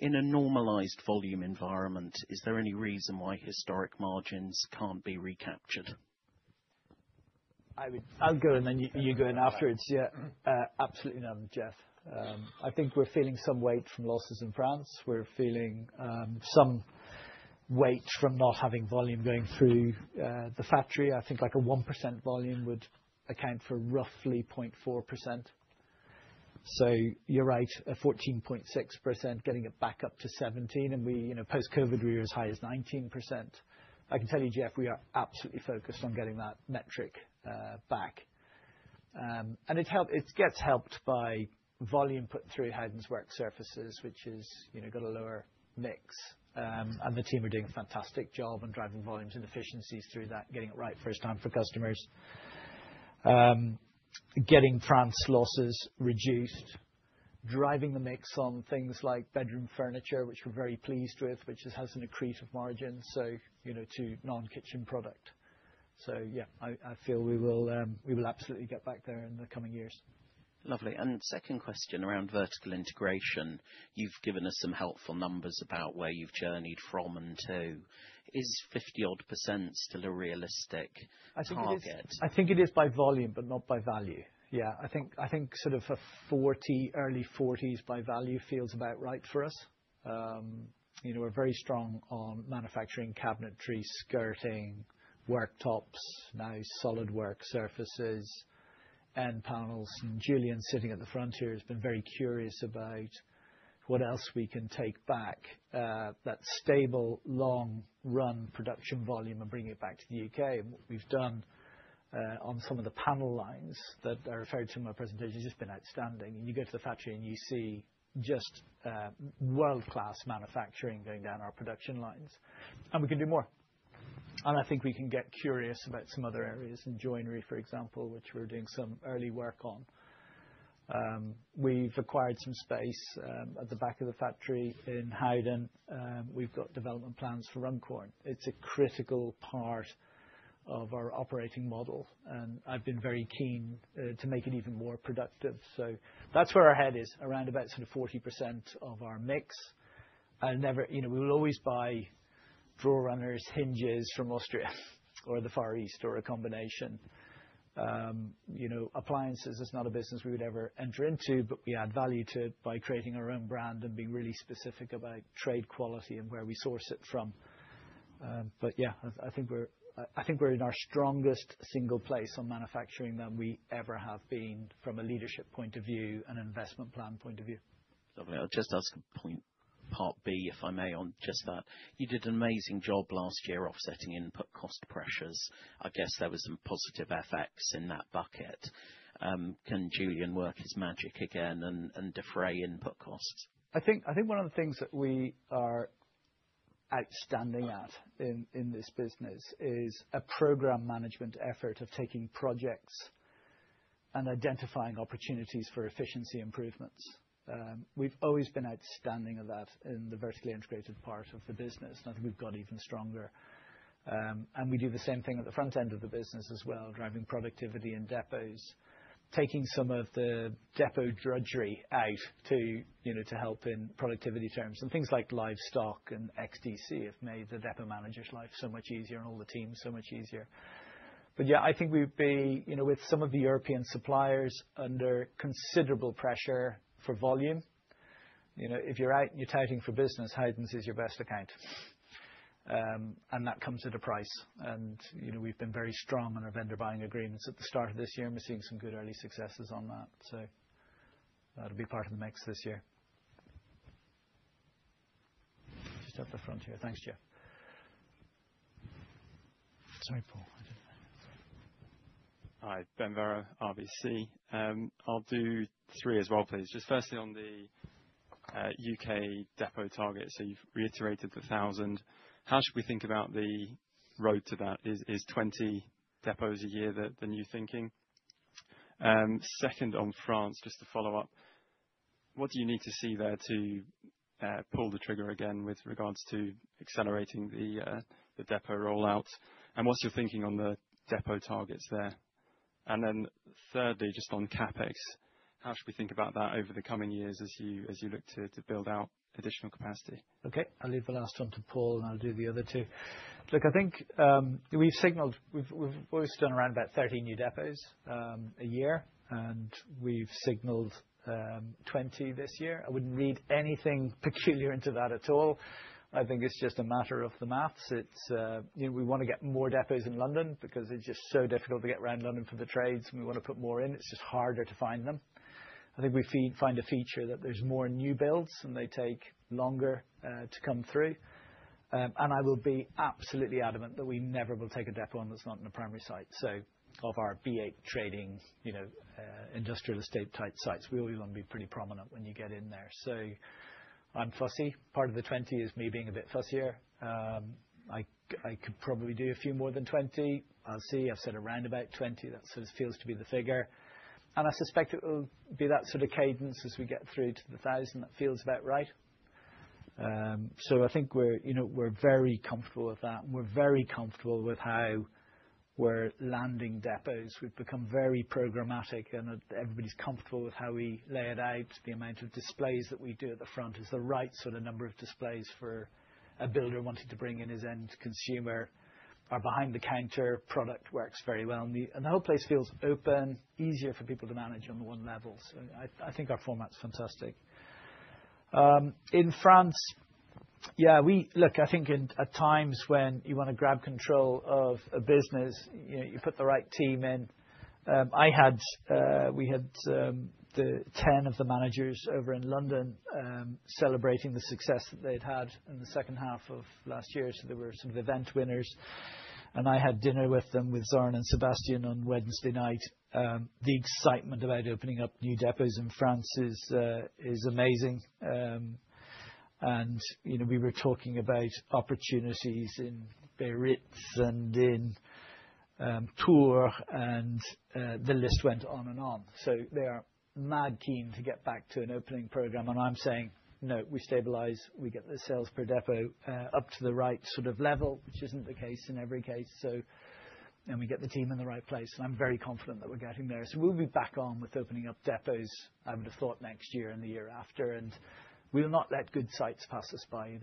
In a normalized volume environment, is there any reason why historic margins can't be recaptured? I'll go and then you go in afterwards. Yeah. Absolutely none, Geoff. I think we're feeling some weight from losses in France. We're feeling some weight from not having volume going through the factory. I think like a 1% volume would account for roughly 0.4%. So you're right, a 14.6% getting it back up to 17%. And post-COVID, we were as high as 19%. I can tell you, Geoff, we are absolutely focused on getting that metric back. And it gets helped by volume put through Howdens work surfaces, which has got a lower mix. And the team are doing a fantastic job on driving volumes and efficiencies through that, getting it right first time for customers, getting France losses reduced, driving the mix on things like bedroom furniture, which we're very pleased with, which has an accretive margin, so to non-kitchen product. So yeah, I feel we will absolutely get back there in the coming years. Lovely. And second question around vertical integration. You've given us some helpful numbers about where you've journeyed from and to. Is 50-odd% still a realistic target? I think it is by volume, but not by value. Yeah. I think sort of early 40s% by value feels about right for us. We're very strong on manufacturing cabinetry, skirting, worktops, now solid work surfaces, end panels. And Julian sitting at the front here has been very curious about what else we can take back, that stable long-run production volume and bring it back to the UK. And what we've done on some of the panel lines that are referred to in my presentation has just been outstanding. And you go to the factory and you see just world-class manufacturing going down our production lines. And we can do more. And I think we can get curious about some other areas in joinery, for example, which we're doing some early work on. We've acquired some space at the back of the factory in Howden. We've got development plans for Runcorn. It's a critical part of our operating model. And I've been very keen to make it even more productive. That's where our head is, around about sort of 40% of our mix. We will always buy drawer runners, hinges from Austria or the Far East or a combination. Appliances is not a business we would ever enter into, but we add value to it by creating our own brand and being really specific about trade quality and where we source it from. But yeah, I think we're in our strongest single place on manufacturing than we ever have been from a leadership point of view and an investment plan point of view. Lovely. I'll just ask a point, part B, if I may, on just that. You did an amazing job last year offsetting input cost pressures. I guess there were some positive effects in that bucket. Can Julian work his magic again and defray input costs? I think one of the things that we are outstanding at in this business is a program management effort of taking projects and identifying opportunities for efficiency improvements. We've always been outstanding at that in the vertically integrated part of the business, and I think we've got even stronger, and we do the same thing at the front end of the business as well, driving productivity in depots, taking some of the depot drudgery out to help in productivity terms. And things like Live Stock and XDC have made the depot manager's life so much easier and all the teams so much easier, but yeah, I think we'd be with some of the European suppliers under considerable pressure for volume. If you're out and you're touting for business, Howdens is your best account, and that comes at a price. And we've been very strong on our vendor buying agreements at the start of this year. And we're seeing some good early successes on that. So that'll be part of the mix this year. Just at the front here. Thanks, Geoff. Sorry, Paul. Hi, Ben Vear, RBC. I'll do three as well, please. Just firstly on the U.K. depot target. So you've reiterated the 1,000. How should we think about the road to that? Is 20 depots a year the new thinking? Second, on France, just to follow up, what do you need to see there to pull the trigger again with regards to accelerating the depot rollout? And what's your thinking on the depot targets there? And then thirdly, just on CapEx, how should we think about that over the coming years as you look to build out additional capacity? Okay. I'll leave the last one to Paul, and I'll do the other two. Look, I think we've signaled we've always done around about 30 new depots a year, and we've signaled 20 this year. I wouldn't read anything peculiar into that at all. I think it's just a matter of the math. We want to get more depots in London because it's just so difficult to get around London for the trades, and we want to put more in. It's just harder to find them. I think we find a feature that there's more new builds, and they take longer to come through, and I will be absolutely adamant that we never will take a depot on that's not in a primary site. So of our B8 trading industrial estate type sites, we'll even be pretty prominent when you get in there. So I'm fussy. Part of the 20 is me being a bit fussier. I could probably do a few more than 20. I'll see. I've said around about 20. That sort of feels to be the figure, and I suspect it will be that sort of cadence as we get through to the 1,000 that feels about right, so I think we're very comfortable with that. We're very comfortable with how we're landing depots. We've become very programmatic, and everybody's comfortable with how we lay it out. The amount of displays that we do at the front is the right sort of number of displays for a builder wanting to bring in his end consumer. Our behind-the-counter product works very well, and the whole place feels open, easier for people to manage on one level, so I think our format's fantastic. In France, yeah, look, I think at times when you want to grab control of a business, you put the right team in. We had the 10 of the managers over in London celebrating the success that they'd had in the second half of last year, so they were sort of event winners, and I had dinner with them, with Zoran and Sébastien, on Wednesday night. The excitement about opening up new depots in France is amazing, and we were talking about opportunities in Beirut and in Tours, and the list went on and on, so they are mad keen to get back to an opening program, and I'm saying, "No, we stabilize. We get the sales per depot up to the right sort of level," which isn't the case in every case, and we get the team in the right place, and I'm very confident that we're getting there. We'll be back on with opening up depots, I would have thought, next year and the year after. And we'll not let good sites pass us by.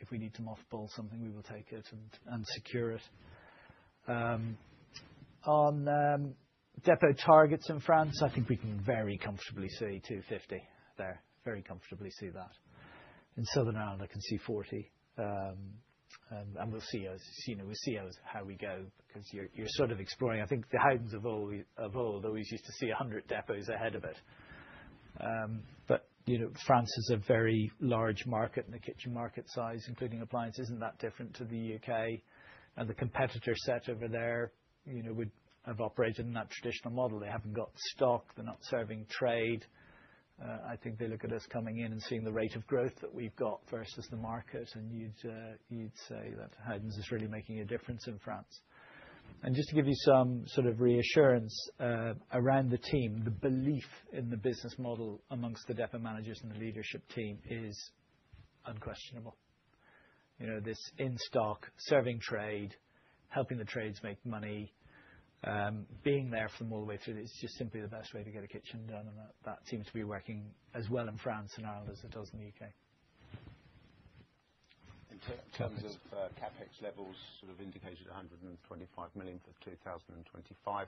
If we need to mothball something, we will take it and secure it. On depot targets in France, I think we can very comfortably see 250 there, very comfortably see that. In Southern Ireland, I can see 40. And we'll see how we go because you're sort of exploring. I think the Howdens of old always used to see 100 depots ahead of it. But France is a very large market in the kitchen market size, including appliances, and that's different to the U.K. And the competitor set over there would have operated in that traditional model. They haven't got stock. They're not serving trade. I think they look at us coming in and seeing the rate of growth that we've got versus the market, and you'd say that Howdens is really making a difference in France, and just to give you some sort of reassurance around the team, the belief in the business model amongst the depot managers and the leadership team is unquestionable. This in-stock, serving trade, helping the trades make money, being there for them all the way through, it's just simply the best way to get a kitchen done, and that seems to be working as well in France and Ireland as it does in the U.K. In terms of CapEx levels, sort of indicated 125 million for 2025.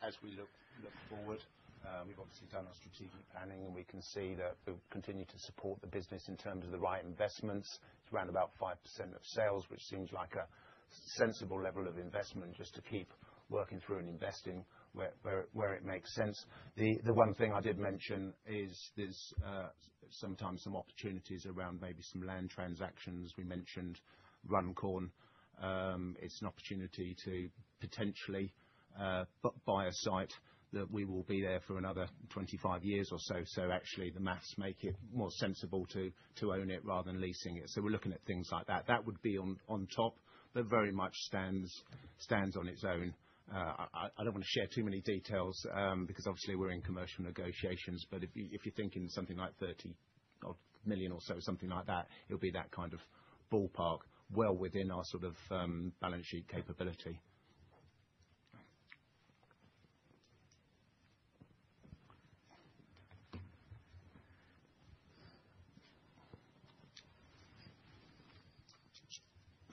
As we look forward, we've obviously done our strategic planning, and we can see that we'll continue to support the business in terms of the right investments. It's around about 5% of sales, which seems like a sensible level of investment just to keep working through and investing where it makes sense. The one thing I did mention is there's sometimes some opportunities around maybe some land transactions. We mentioned Runcorn. It's an opportunity to potentially buy a site that we will be there for another 25 years or so. So actually, the maths make it more sensible to own it rather than leasing it. So we're looking at things like that. That would be on top, but very much stands on its own. I don't want to share too many details because obviously we're in commercial negotiations. But if you're thinking something like 30 million or so, something like that, it'll be that kind of ballpark, well within our sort of balance sheet capability.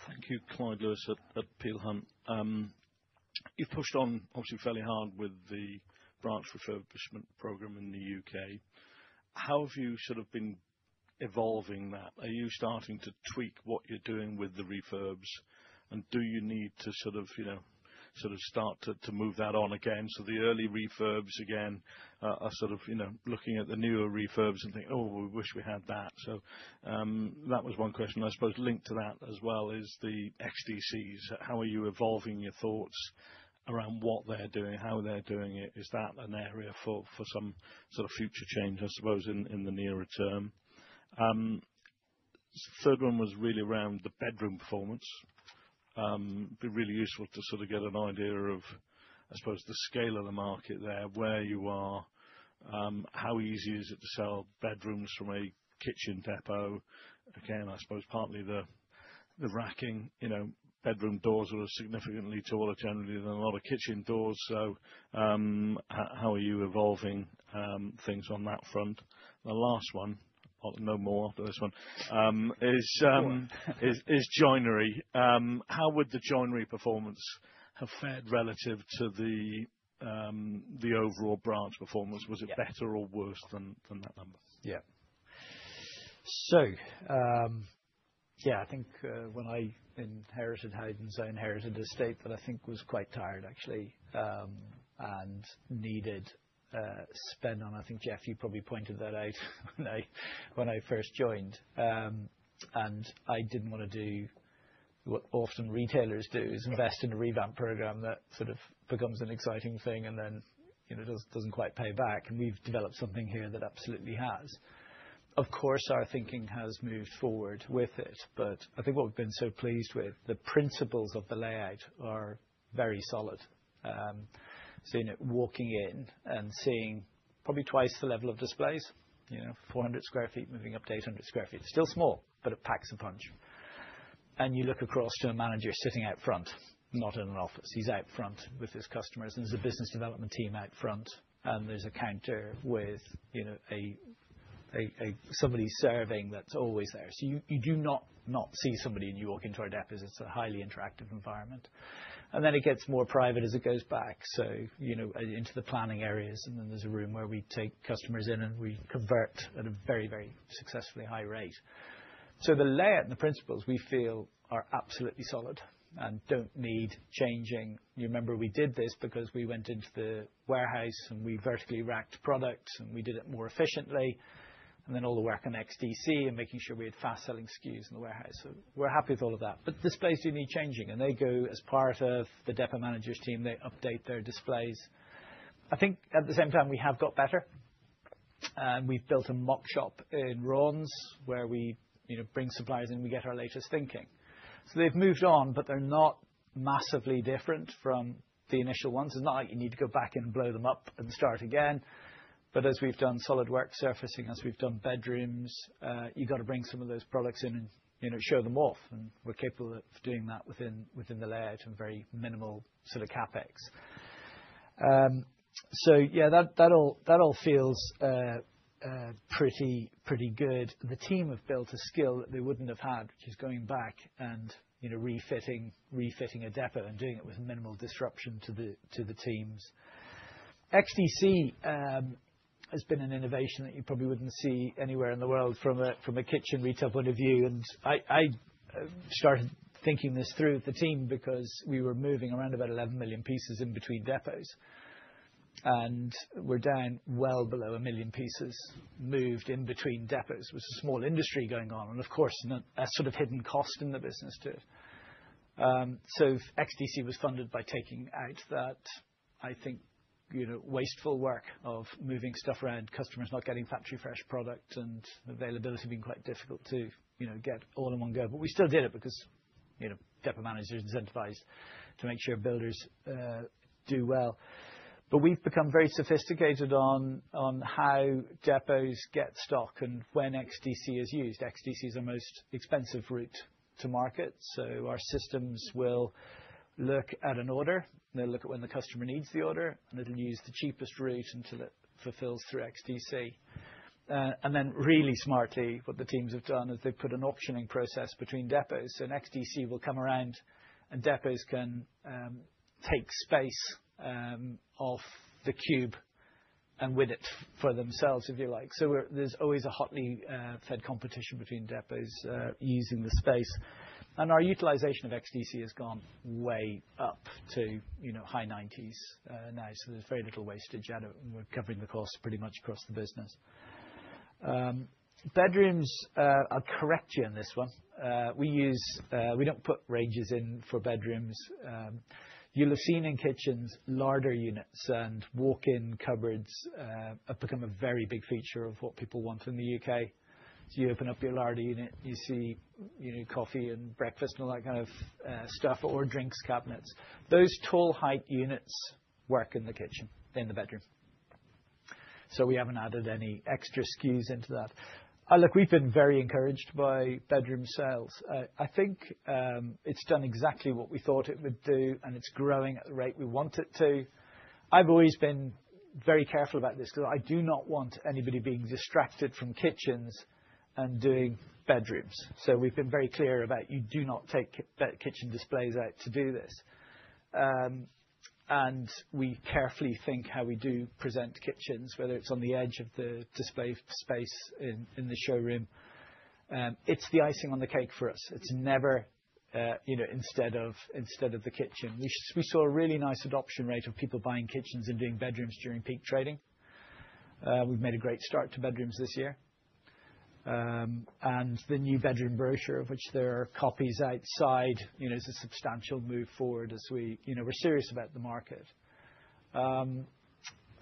Thank you, Clyde Lewis at Peel Hunt. You've pushed on, obviously, fairly hard with the branch refurbishment program in the UK. How have you sort of been evolving that? Are you starting to tweak what you're doing with the refurbs? And do you need to sort of start to move that on again? So the early refurbs again are sort of looking at the newer refurbs and thinking, "Oh, we wish we had that." So that was one question. I suppose linked to that as well is the XDCs. How are you evolving your thoughts around what they're doing, how they're doing it? Is that an area for some sort of future change, I suppose, in the nearer term? The third one was really around the bedroom performance. It'd be really useful to sort of get an idea of, I suppose, the scale of the market there, where you are, how easy is it to sell bedrooms from a kitchen depot? Again, I suppose partly the racking. Bedroom doors are significantly taller generally than a lot of kitchen doors. So how are you evolving things on that front? The last one, no more after this one, is joinery. How would the joinery performance have fared relative to the overall branch performance? Was it better or worse than that number? Yeah. So yeah, I think when I inherited Howdens, I inherited a state that I think was quite tired, actually, and needed spend on. I think, Geoff, you probably pointed that out when I first joined. I didn't want to do what often retailers do, is invest in a revamp program that sort of becomes an exciting thing and then doesn't quite pay back. And we've developed something here that absolutely has. Of course, our thinking has moved forward with it, but I think what we've been so pleased with, the principles of the layout are very solid. So walking in and seeing probably twice the level of displays, 400 sq ft moving up to 800 sq ft. It's still small, but it packs a punch. And you look across to a manager sitting out front, not in an office. He's out front with his customers. And there's a business development team out front. And there's a counter with somebody serving that's always there. So you do not see somebody when you walk into our depots. It's a highly interactive environment. It gets more private as it goes back, so into the planning areas. Then there's a room where we take customers in and we convert at a very, very successful high rate. The layout and the principles we feel are absolutely solid and don't need changing. You remember we did this because we went into the warehouse and we vertically racked products and we did it more efficiently. Then all the work on XDC and making sure we had fast-selling SKUs in the warehouse. We're happy with all of that. Displays do need changing. They go as part of the depot managers' team. They update their displays. I think at the same time, we have got better. We've built a mock shop in Raunds where we bring suppliers in and we get our latest thinking. So they've moved on, but they're not massively different from the initial ones. It's not like you need to go back and blow them up and start again, but as we've done solid work surfaces, as we've done bedrooms, you've got to bring some of those products in and show them off, and we're capable of doing that within the layout and very minimal sort of CapEx, so yeah, that all feels pretty good. The team have built a skill that they wouldn't have had, which is going back and refitting a depot and doing it with minimal disruption to the teams. XDC has been an innovation that you probably wouldn't see anywhere in the world from a kitchen retail point of view, and I started thinking this through with the team because we were moving around about 11 million pieces in between depots. And we're down well below a million pieces moved in between depots. It was a small industry going on. And of course, a sort of hidden cost in the business too. So XDC was funded by taking out that, I think, wasteful work of moving stuff around, customers not getting factory-fresh product, and availability being quite difficult to get all in one go. But we still did it because depot managers incentivized to make sure builders do well. But we've become very sophisticated on how depots get stock and when XDC is used. XDC is our most expensive route to market. So our systems will look at an order. They'll look at when the customer needs the order, and it'll use the cheapest route until it fulfills through XDC. And then really smartly, what the teams have done is they've put an optioning process between depots. So an XDC will come around, and depots can take space off the cube and win it for themselves, if you like. So there's always a hotly fought competition between depots using the space. And our utilization of XDC has gone way up to high 90s now. So there's very little wastage at it. And we're covering the cost pretty much across the business. Bedrooms are correct here in this one. We don't put ranges in for bedrooms. You'll have seen in kitchens, larder units and walk-in cupboards have become a very big feature of what people want in the U.K. So you open up your larder unit, you see coffee and breakfast and all that kind of stuff or drinks cabinets. Those tall height units work in the kitchen, in the bedroom. So we haven't added any extra SKUs into that. Look, we've been very encouraged by bedroom sales. I think it's done exactly what we thought it would do, and it's growing at the rate we want it to. I've always been very careful about this because I do not want anybody being distracted from kitchens and doing bedrooms. So we've been very clear about you do not take kitchen displays out to do this. And we carefully think how we do present kitchens, whether it's on the edge of the display space in the showroom. It's the icing on the cake for us. It's never instead of the kitchen. We saw a really nice adoption rate of people buying kitchens and doing bedrooms during peak trading. We've made a great start to bedrooms this year. And the new bedroom brochure, of which there are copies outside, is a substantial move forward as we're serious about the market.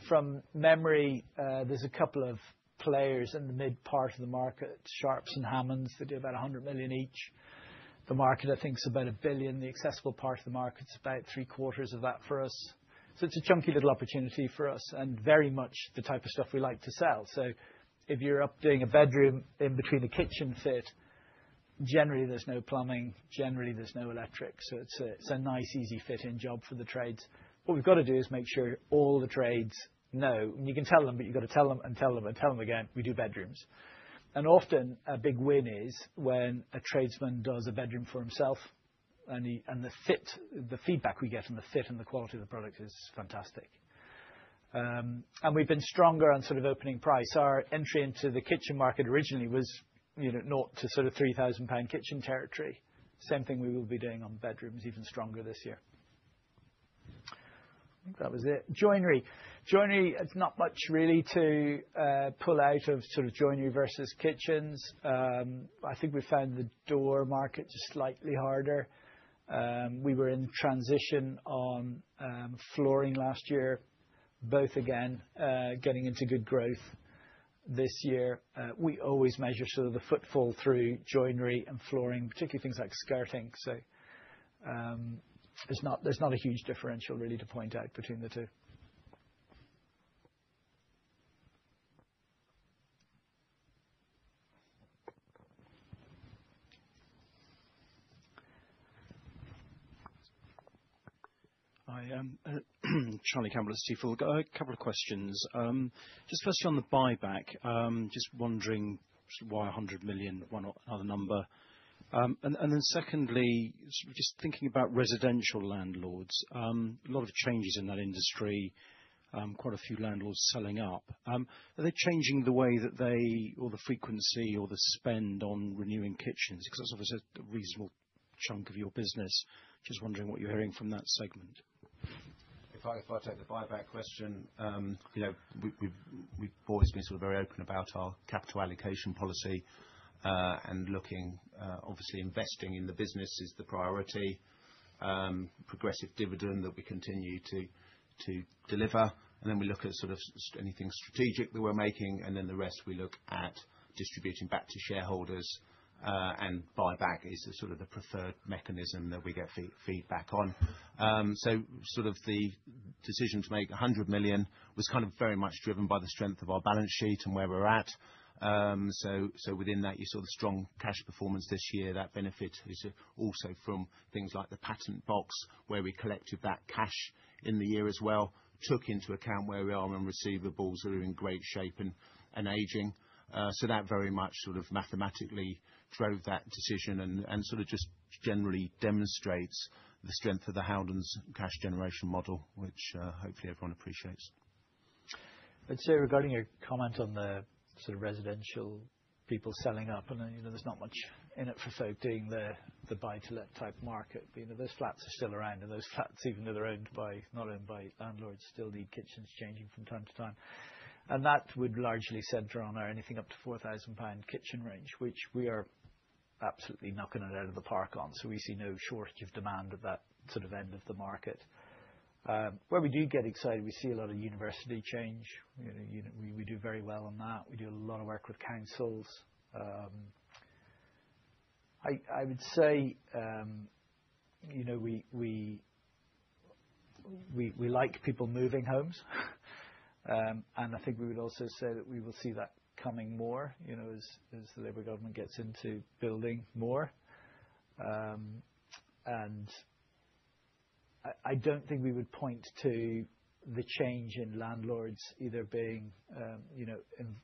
From memory, there's a couple of players in the mid part of the market, Sharps and Hammonds. They do about 100 million each. The market, I think, is about 1 billion. The accessible part of the market is about three quarters of that for us. It's a chunky little opportunity for us and very much the type of stuff we like to sell. If you're doing a bedroom in between a kitchen fit, generally there's no plumbing. Generally there's no electric. It's a nice, easy fit-in job for the trades. What we've got to do is make sure all the trades know. You can tell them, but you've got to tell them and tell them and tell them again, "We do bedrooms." Often a big win is when a tradesman does a bedroom for himself. The feedback we get on the fit and the quality of the product is fantastic. We've been stronger on sort of opening price. Our entry into the kitchen market originally was naught to sort of 3,000 pound kitchen territory. Same thing we will be doing on bedrooms, even stronger this year. I think that was it. Joinery. Joinery, it's not much really to pull out of sort of joinery versus kitchens. I think we found the door market just slightly harder. We were in transition on flooring last year, both again getting into good growth this year. We always measure sort of the footfall through joinery and flooring, particularly things like skirting. So there's not a huge differential really to point out between the two. Hi, Charlie Campbell at Stifel. Got a couple of questions. Just firstly on the buyback, just wondering why 100 million, why not another number? And then secondly, just thinking about residential landlords, a lot of changes in that industry, quite a few landlords selling up. Are they changing the way that they or the frequency or the spend on renewing kitchens? Because that's obviously a reasonable chunk of your business. Just wondering what you're hearing from that segment. If I take the buyback question, we've always been sort of very open about our capital allocation policy and looking, obviously, investing in the business is the priority, progressive dividend that we continue to deliver. And then we look at sort of anything strategic that we're making. And then the rest, we look at distributing back to shareholders. And buyback is sort of the preferred mechanism that we get feedback on. So sort of the decision to make 100 million was kind of very much driven by the strength of our balance sheet and where we're at. So within that, you saw the strong cash performance this year. That benefit is also from things like the Patent Box where we collected that cash in the year as well, took into account where we are on receivables that are in great shape and aging. So that very much sort of mathematically drove that decision and sort of just generally demonstrates the strength of the Howdens' cash generation model, which hopefully everyone appreciates. I'd say regarding your comment on the sort of residential people selling up, there's not much in it for folk doing the buy-to-let type market. Those flats are still around. And those flats, even though they're owned by landlords, still need kitchens changing from time to time. And that would largely center on our anything up to 4,000 pound kitchen range, which we are absolutely knocking it out of the park on. So we see no shortage of demand at that sort of end of the market. Where we do get excited, we see a lot of university change. We do very well on that. We do a lot of work with councils. I would say we like people moving homes. And I think we would also say that we will see that coming more as the Labour government gets into building more. And I don't think we would point to the change in landlords either being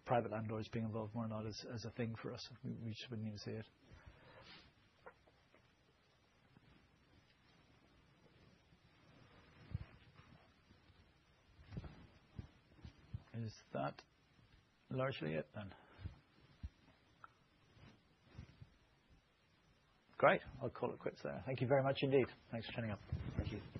private landlords being involved more or not as a thing for us. We just wouldn't even see it. Is that largely it then? Great. I'll call it quits there. Thank you very much indeed. Thanks for turning up. Thank you.